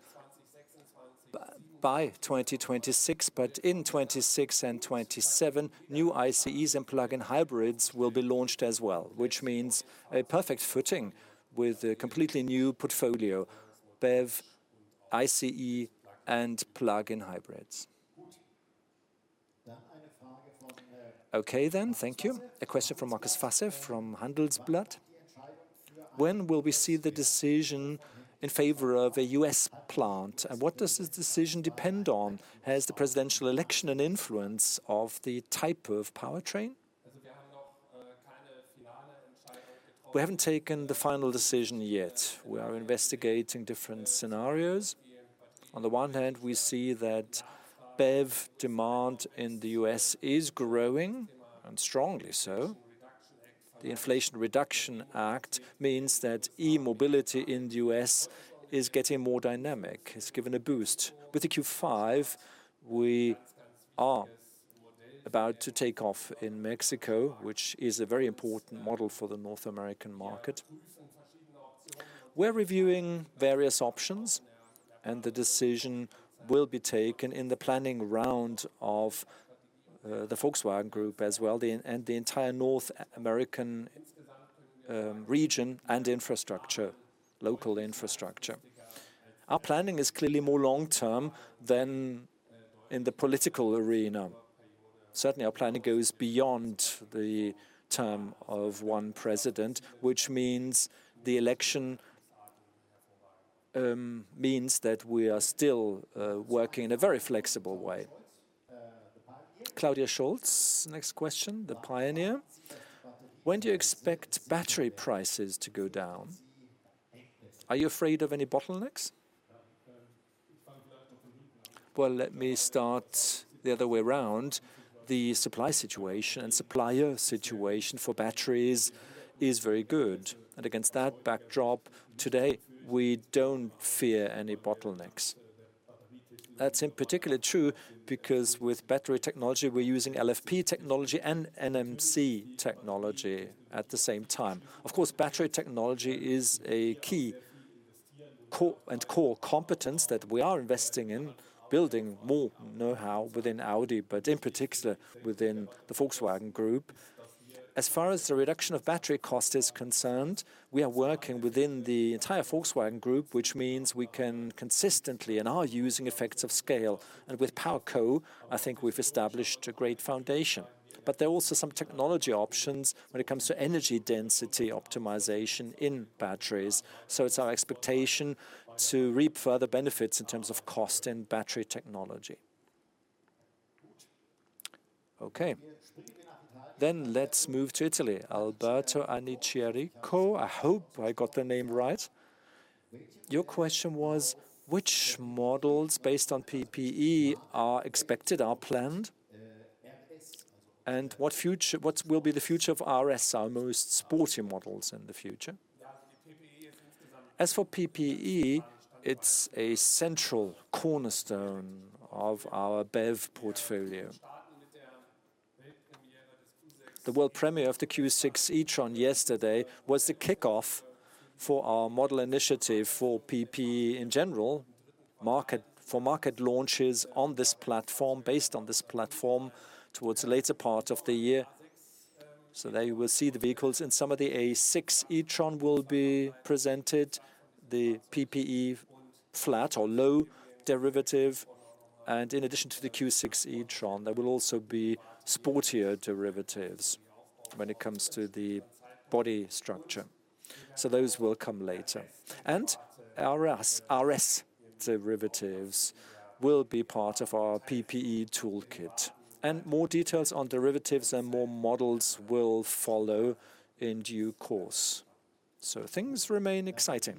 by 2026, but in 2026 and 2027, new ICEs and plug-in hybrids will be launched as well, which means a perfect footing with a completely new portfolio, BEV, ICE, and plug-in hybrids. Okay then. Thank you. A question from Markus Fasse from Handelsblatt. When will we see the decision in favor of a U.S. plant, and what does this decision depend on? Has the presidential election an influence of the type of powertrain? We haven't taken the final decision yet. We are investigating different scenarios. On the one hand, we see that BEV demand in the U.S. is growing, and strongly so. The Inflation Reduction Act means that e-mobility in the U.S. is getting more dynamic. It's given a boost. With the Q5, we are about to take off in Mexico, which is a very important model for the North American market. We're reviewing various options, and the decision will be taken in the planning round of the Volkswagen Group as well, and the entire North American region and infrastructure, local infrastructure. Our planning is clearly more long-term than in the political arena. Certainly, our planning goes beyond the term of one president, which means the election means that we are still working in a very flexible way. Claudia Scholz, next question, The Pioneer. When do you expect battery prices to go down? Are you afraid of any bottlenecks? Well, let me start the other way around. The supply situation and supplier situation for batteries is very good. Against that backdrop, today, we don't fear any bottlenecks. That's in particular true because with battery technology, we're using LFP technology and NMC technology at the same time. Of course, battery technology is a key core competence that we are investing in, building more know-how within Audi, but in particular within the Volkswagen Group. As far as the reduction of battery cost is concerned, we are working within the entire Volkswagen Group, which means we can consistently and are using effects of scale. With PowerCo, I think we've established a great foundation. There are also some technology options when it comes to energy density optimization in batteries. It's our expectation to reap further benefits in terms of cost in battery technology. Okay. Let's move to Italy. Alberto Aniceto, I hope I got the name right. Your question was, which models based on PPE are expected, are planned? RS. And what future, what will be the future of RS, our most sporty models in the future? As for PPE, it's a central cornerstone of our BEV portfolio. The world premiere of the Q6 e-tron yesterday was the kickoff for our model initiative for PPE in general, market, for market launches on this platform, based on this platform, towards the later part of the year. There you will see the vehicles, and some of the A6 e-tron will be presented, the PPE flat or low derivative. In addition to the Q6 e-tron, there will also be sportier derivatives when it comes to the body structure. Those will come later. RS derivatives will be part of our PPE toolkit. More details on derivatives and more models will follow in due course. Things remain exciting.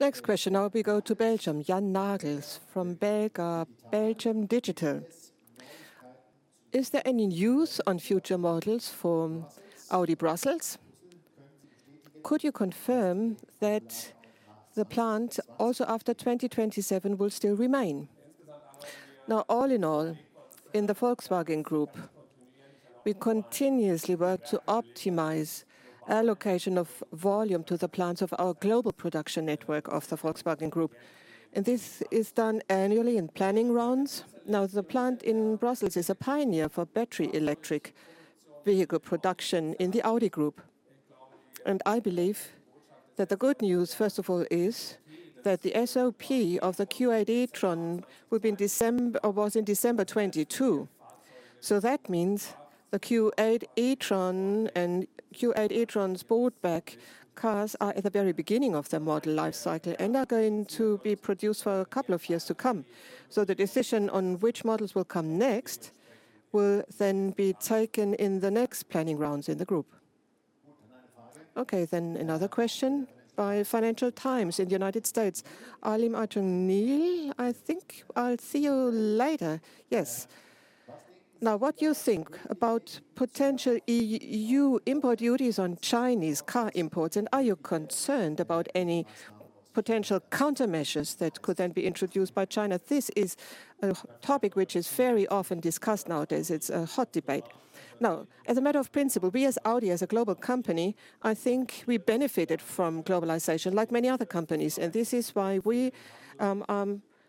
Next question. Now we go to Belgium. Jan Nagels from Belga. Is there any news on future models from Audi Brussels? Could you confirm that the plant also after 2027 will still remain? Now, all in all, in the Volkswagen Group, we continuously work to optimize allocation of volume to the plants of our global production network of the Volkswagen Group, and this is done annually in planning rounds. Now, the plant in Brussels is a pioneer for battery electric vehicle production in the Audi Group. I believe that the good news, first of all, is that the SOP of the Q8 e-tron was in December 2022. That means the Q8 e-tron and Q8 e-tron Sportback cars are at the very beginning of their model life cycle and are going to be produced for a couple of years to come. The decision on which models will come next will then be taken in the next planning rounds in the group. Okay, then another question by Financial Times in the United States, Arash Massoudi, I think I'll see you later. Yes. Now, what do you think about potential EU import duties on Chinese car imports, and are you concerned about any potential countermeasures that could then be introduced by China? This is a topic which is very often discussed nowadays. It's a hot debate. Now, as a matter of principle, we as Audi, as a global company, I think we benefited from globalization like many other companies, and this is why we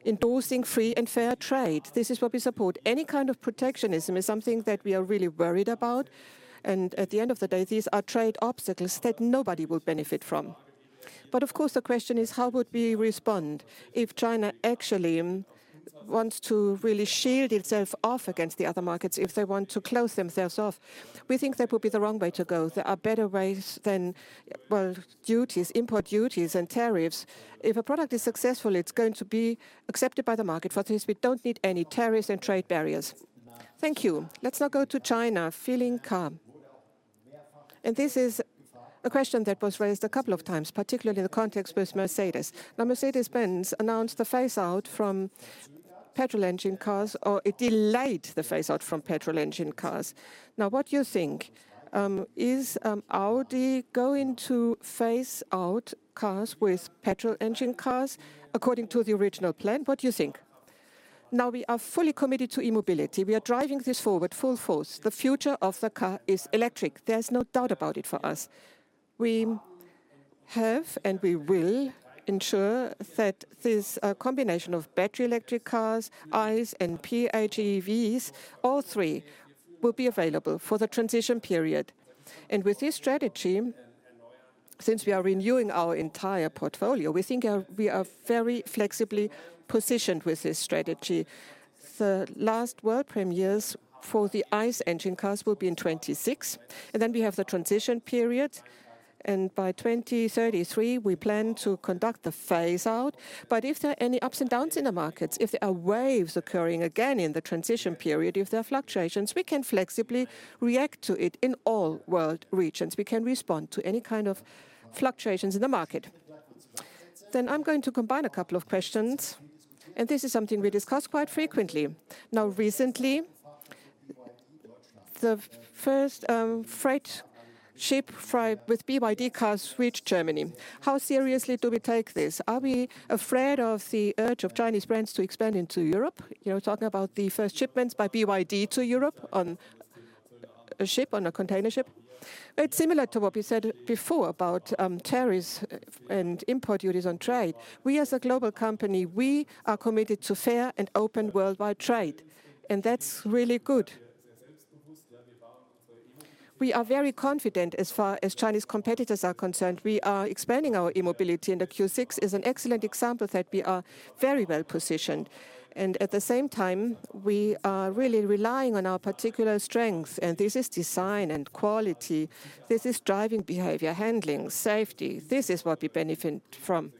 endorsing free and fair trade. This is what we support. Any kind of protectionism is something that we are really worried about, and at the end of the day, these are trade obstacles that nobody will benefit from. Of course, the question is how would we respond if China actually wants to really shield itself off against the other markets, if they want to close themselves off? We think that would be the wrong way to go. There are better ways than, well, duties, import duties and tariffs. If a product is successful, it's going to be accepted by the market. For this, we don't need any tariffs and trade barriers. Thank you. Let's now go to China, Feiling Carr. This is a question that was raised a couple of times, particularly in the context with Mercedes. Now, Mercedes-Benz announced the phase out from gasoline engine cars, or it delayed the phase out from gasoline engine cars. Now, what do you think, is Audi going to phase out cars with gasoline engine cars according to the original plan? What do you think? Now, we are fully committed to e-mobility. We are driving this forward full force. The future of the car is electric. There's no doubt about it for us. We have and we will ensure that this, combination of battery electric cars, ICE, and PHEVs, all three will be available for the transition period. With this strategy, since we are renewing our entire portfolio, we think we are very flexibly positioned with this strategy. The last world premieres for the ICE engine cars will be in 2026, and then we have the transition period, and by 2033, we plan to conduct the phase out. If there are any ups and downs in the markets, if there are waves occurring again in the transition period, if there are fluctuations, we can flexibly react to it in all world regions. We can respond to any kind of fluctuations in the market. I'm going to combine a couple of questions, and this is something we discuss quite frequently. Now, recently, the first freight ship with BYD cars reached Germany. How seriously do we take this? Are we afraid of the urge of Chinese brands to expand into Europe? You know, talking about the first shipments by BYD to Europe on a ship, on a container ship. It's similar to what we said before about tariffs and import duties on trade. We as a global company, we are committed to fair and open worldwide trade, and that's really good. We are very confident as far as Chinese competitors are concerned. We are expanding our e-mobility, and the Audi Q6 is an excellent example that we are very well positioned. At the same time, we are really relying on our particular strengths, and this is design and quality. This is driving behavior, handling, safety. This is what we benefit from,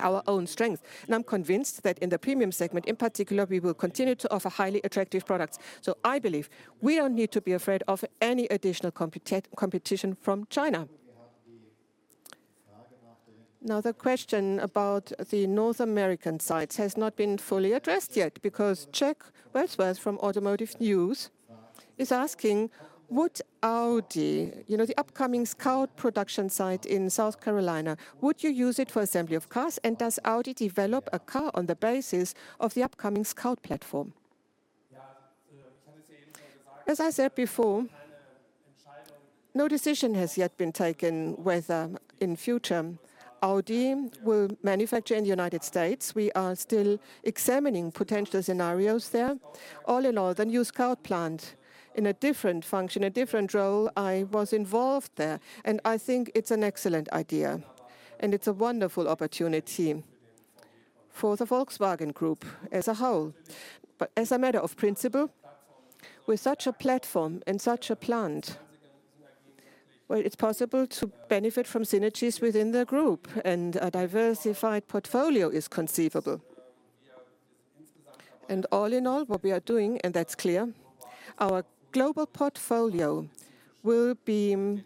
our own strength. I'm convinced that in the premium segment in particular, we will continue to offer highly attractive products. I believe we don't need to be afraid of any additional competition from China. Now, the question about the North American sites has not been fully addressed yet, because Jack Walsworth from Automotive News is asking, would Audi, you know, the upcoming Scout production site in South Carolina, would you use it for assembly of cars? And does Audi develop a car on the basis of the upcoming Scout platform? As I said before, no decision has yet been taken whether in future Audi will manufacture in the United States. We are still examining potential scenarios there. All in all, the new Scout plant in a different function, a different role, I was involved there, and I think it's an excellent idea, and it's a wonderful opportunity for the Volkswagen Group as a whole. As a matter of principle, with such a platform and such a plant, well, it's possible to benefit from synergies within the group, and a diversified portfolio is conceivable. All in all, what we are doing, and that's clear, our global portfolio will be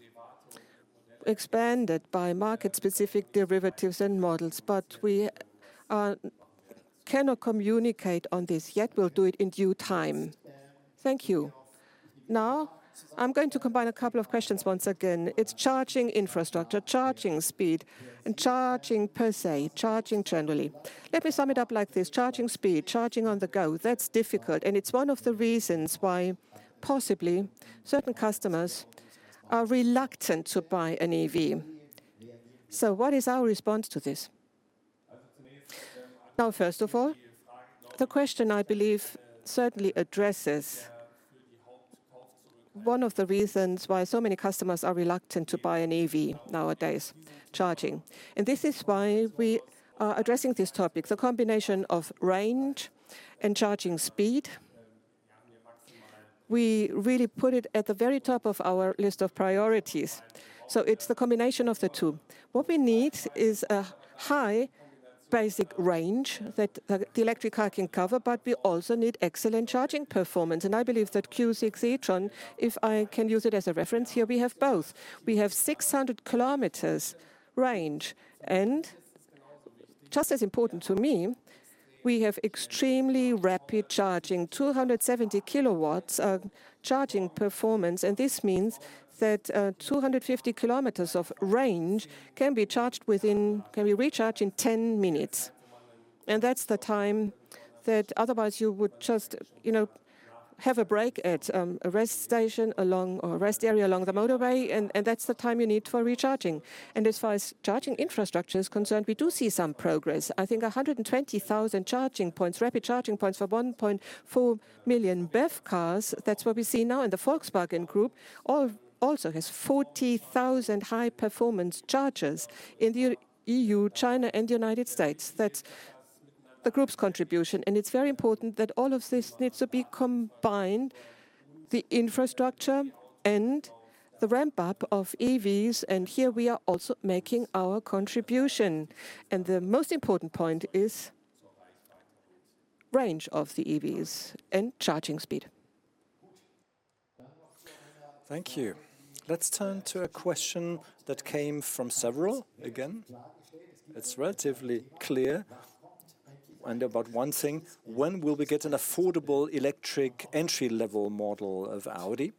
expanded by market-specific derivatives and models, but we cannot communicate on this yet. We'll do it in due time. Thank you. Now, I'm going to combine a couple of questions once again. It's charging infrastructure, charging speed and charging per se, charging generally. Let me sum it up like this, charging speed, charging on the go, that's difficult, and it's one of the reasons why possibly certain customers are reluctant to buy an EV. What is our response to this? Now, first of all, the question I believe certainly addresses one of the reasons why so many customers are reluctant to buy an EV nowadays, charging. This is why we are addressing this topic. The combination of range and charging speed, we really put it at the very top of our list of priorities, so it's the combination of the two. What we need is a high basic range that the electric car can cover, but we also need excellent charging performance. I believe that Q6 e-tron, if I can use it as a reference here, we have both. We have 600 km range, and just as important to me, we have extremely rapid charging, 270 KW of charging performance, and this means that 250 km of range can be recharged in 10 minutes. That's the time that otherwise you would just, you know, have a break at a rest station along or a rest area along the motorway, and that's the time you need for recharging. As far as charging infrastructure is concerned, we do see some progress. I think 120,000 charging points, rapid charging points for 1.4 million BEV cars, that's what we see now. The Volkswagen Group also has 40,000 high-performance chargers in the EU, China and the United States. That's the group's contribution. It's very important that all of this needs to be combined, the infrastructure and the ramp-up of EVs, and here we are also making our contribution. The most important point is range of the EVs and charging speed. Thank you. Let's turn to a question that came from several again. It's relatively clear and about one thing. When will we get an affordable electric entry-level model of Audi?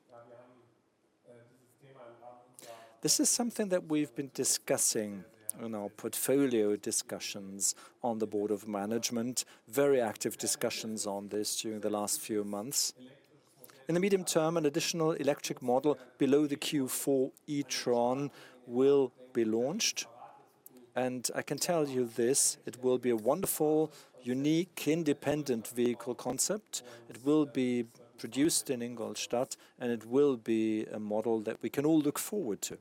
This is something that we've been discussing in our portfolio discussions on the board of management, very active discussions on this during the last few months. In the medium term, an additional electric model below the Q4 e-tron will be launched, and I can tell you this, it will be a wonderful, unique, independent vehicle concept. It will be produced in Ingolstadt, and it will be a model that we can all look forward to.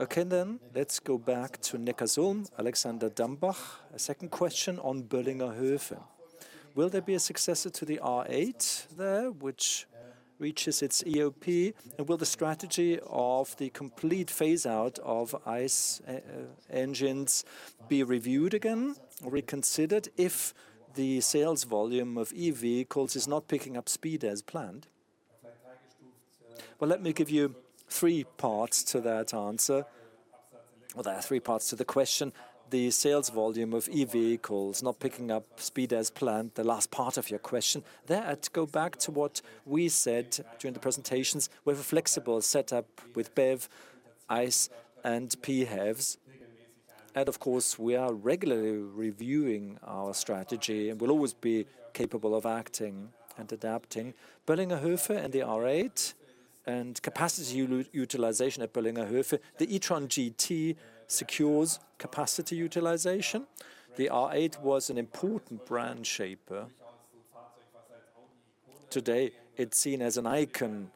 Okay, then let's go back to Neckarsulm, Alexander Dambach. A second question on Böllinger Höfe. Will there be a successor to the R8 there, which reaches its EOP, and will the strategy of the complete phase-out of ICE engines be reviewed again or reconsidered if the sales volume of EV vehicles is not picking up speed as planned? Well, let me give you three parts to that answer. Well, there are three parts to the question. The sales volume of EV vehicles not picking up speed as planned, the last part of your question. There I'd go back to what we said during the presentations. We have a flexible setup with BEV, ICE, and PHEVs. Of course, we are regularly reviewing our strategy and will always be capable of acting and adapting. Böllinger Höfe and the R8 and capacity utilization at Böllinger Höfe, the e-tron GT secures capacity utilization. The R8 was an important brand shaper. Today, it's seen as an icon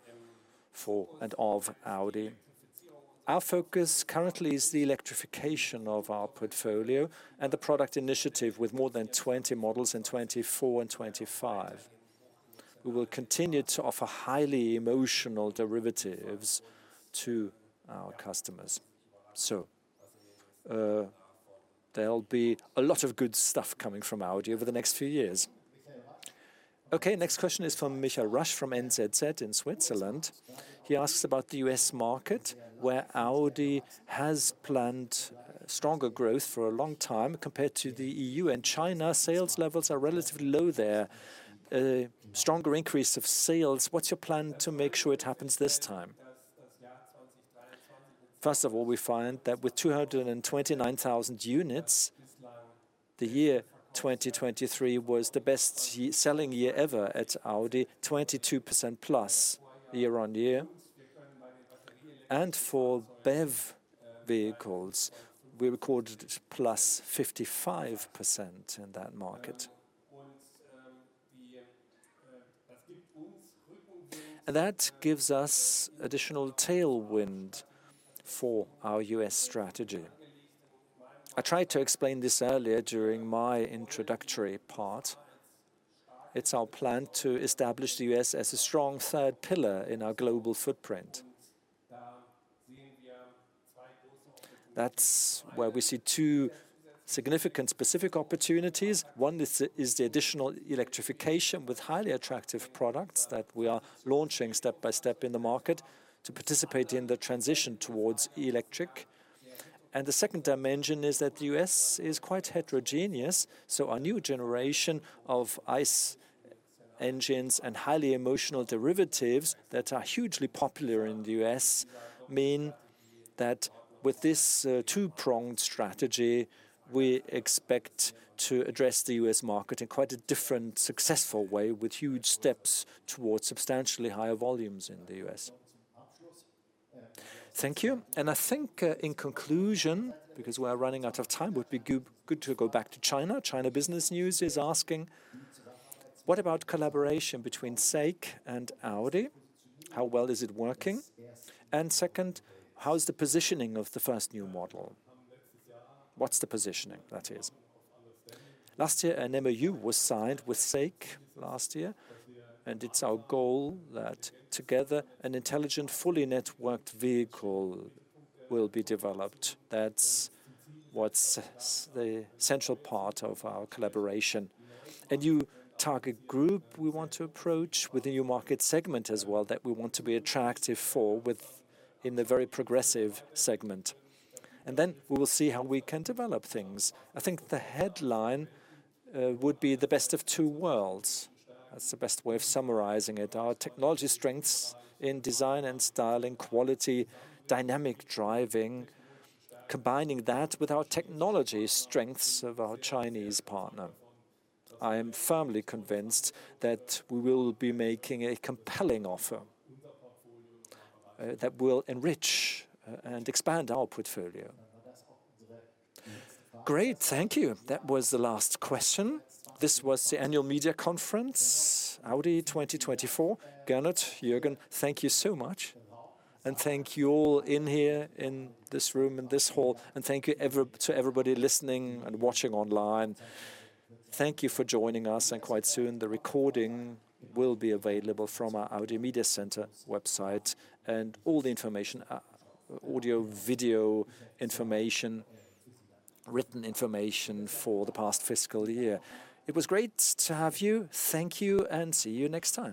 for and of Audi. Our focus currently is the electrification of our portfolio and the product initiative with more than 20 models in 2024 and 2025. We will continue to offer highly emotional derivatives to our customers. There'll be a lot of good stuff coming from Audi over the next few years. Okay, next question is from Michael Rasch from NZZ in Switzerland. He asks about the U.S. Market, where Audi has planned stronger growth for a long time compared to the EU and China. Sales levels are relatively low there. Stronger increase of sales, what's your plan to make sure it happens this time? First of all, we find that with 229,000 units, the year 2023 was the best selling year ever at Audi, +22% year-on-year. For BEV vehicles, we recorded +55% in that market. That gives us additional tailwind for our US strategy. I tried to explain this earlier during my introductory part. It's our plan to establish the US as a strong third pillar in our global footprint. That's where we see two significant specific opportunities. One is the additional electrification with highly attractive products that we are launching step by step in the market to participate in the transition towards electric. The second dimension is that the US is quite heterogeneous, so our new generation of ICE engines and highly emotional derivatives that are hugely popular in the US mean that with this two-pronged strategy, we expect to address the US market in quite a different, successful way, with huge steps towards substantially higher volumes in the US. Thank you. I think, in conclusion, because we're running out of time, would be good to go back to China. China Business News is asking, "What about collaboration between SAIC and Audi? How well is it working? And second, how is the positioning of the first new model? What's the positioning, that is?" Last year, an MOU was signed with SAIC, and it's our goal that together an intelligent, fully networked vehicle will be developed. That's what's the central part of our collaboration. A new target group we want to approach with a new market segment as well that we want to be attractive for with, in the very progressive segment. Then we will see how we can develop things. I think the headline would be the best of two worlds. That's the best way of summarizing it. Our technology strengths in design and styling, quality, dynamic driving, combining that with our technology strengths of our Chinese partner. I am firmly convinced that we will be making a compelling offer, that will enrich and expand our portfolio. Great. Thank you. That was the last question. This was the annual media conference, Audi 2024. Gernot, Jürgen, thank you so much, and thank you all in here in this room, in this hall, and thank you to everybody listening and watching online. Thank you for joining us, and quite soon, the recording will be available from our Audi MediaCenter website, and all the information, audio, video information, written information for the past fiscal year. It was great to have you. Thank you and see you next time.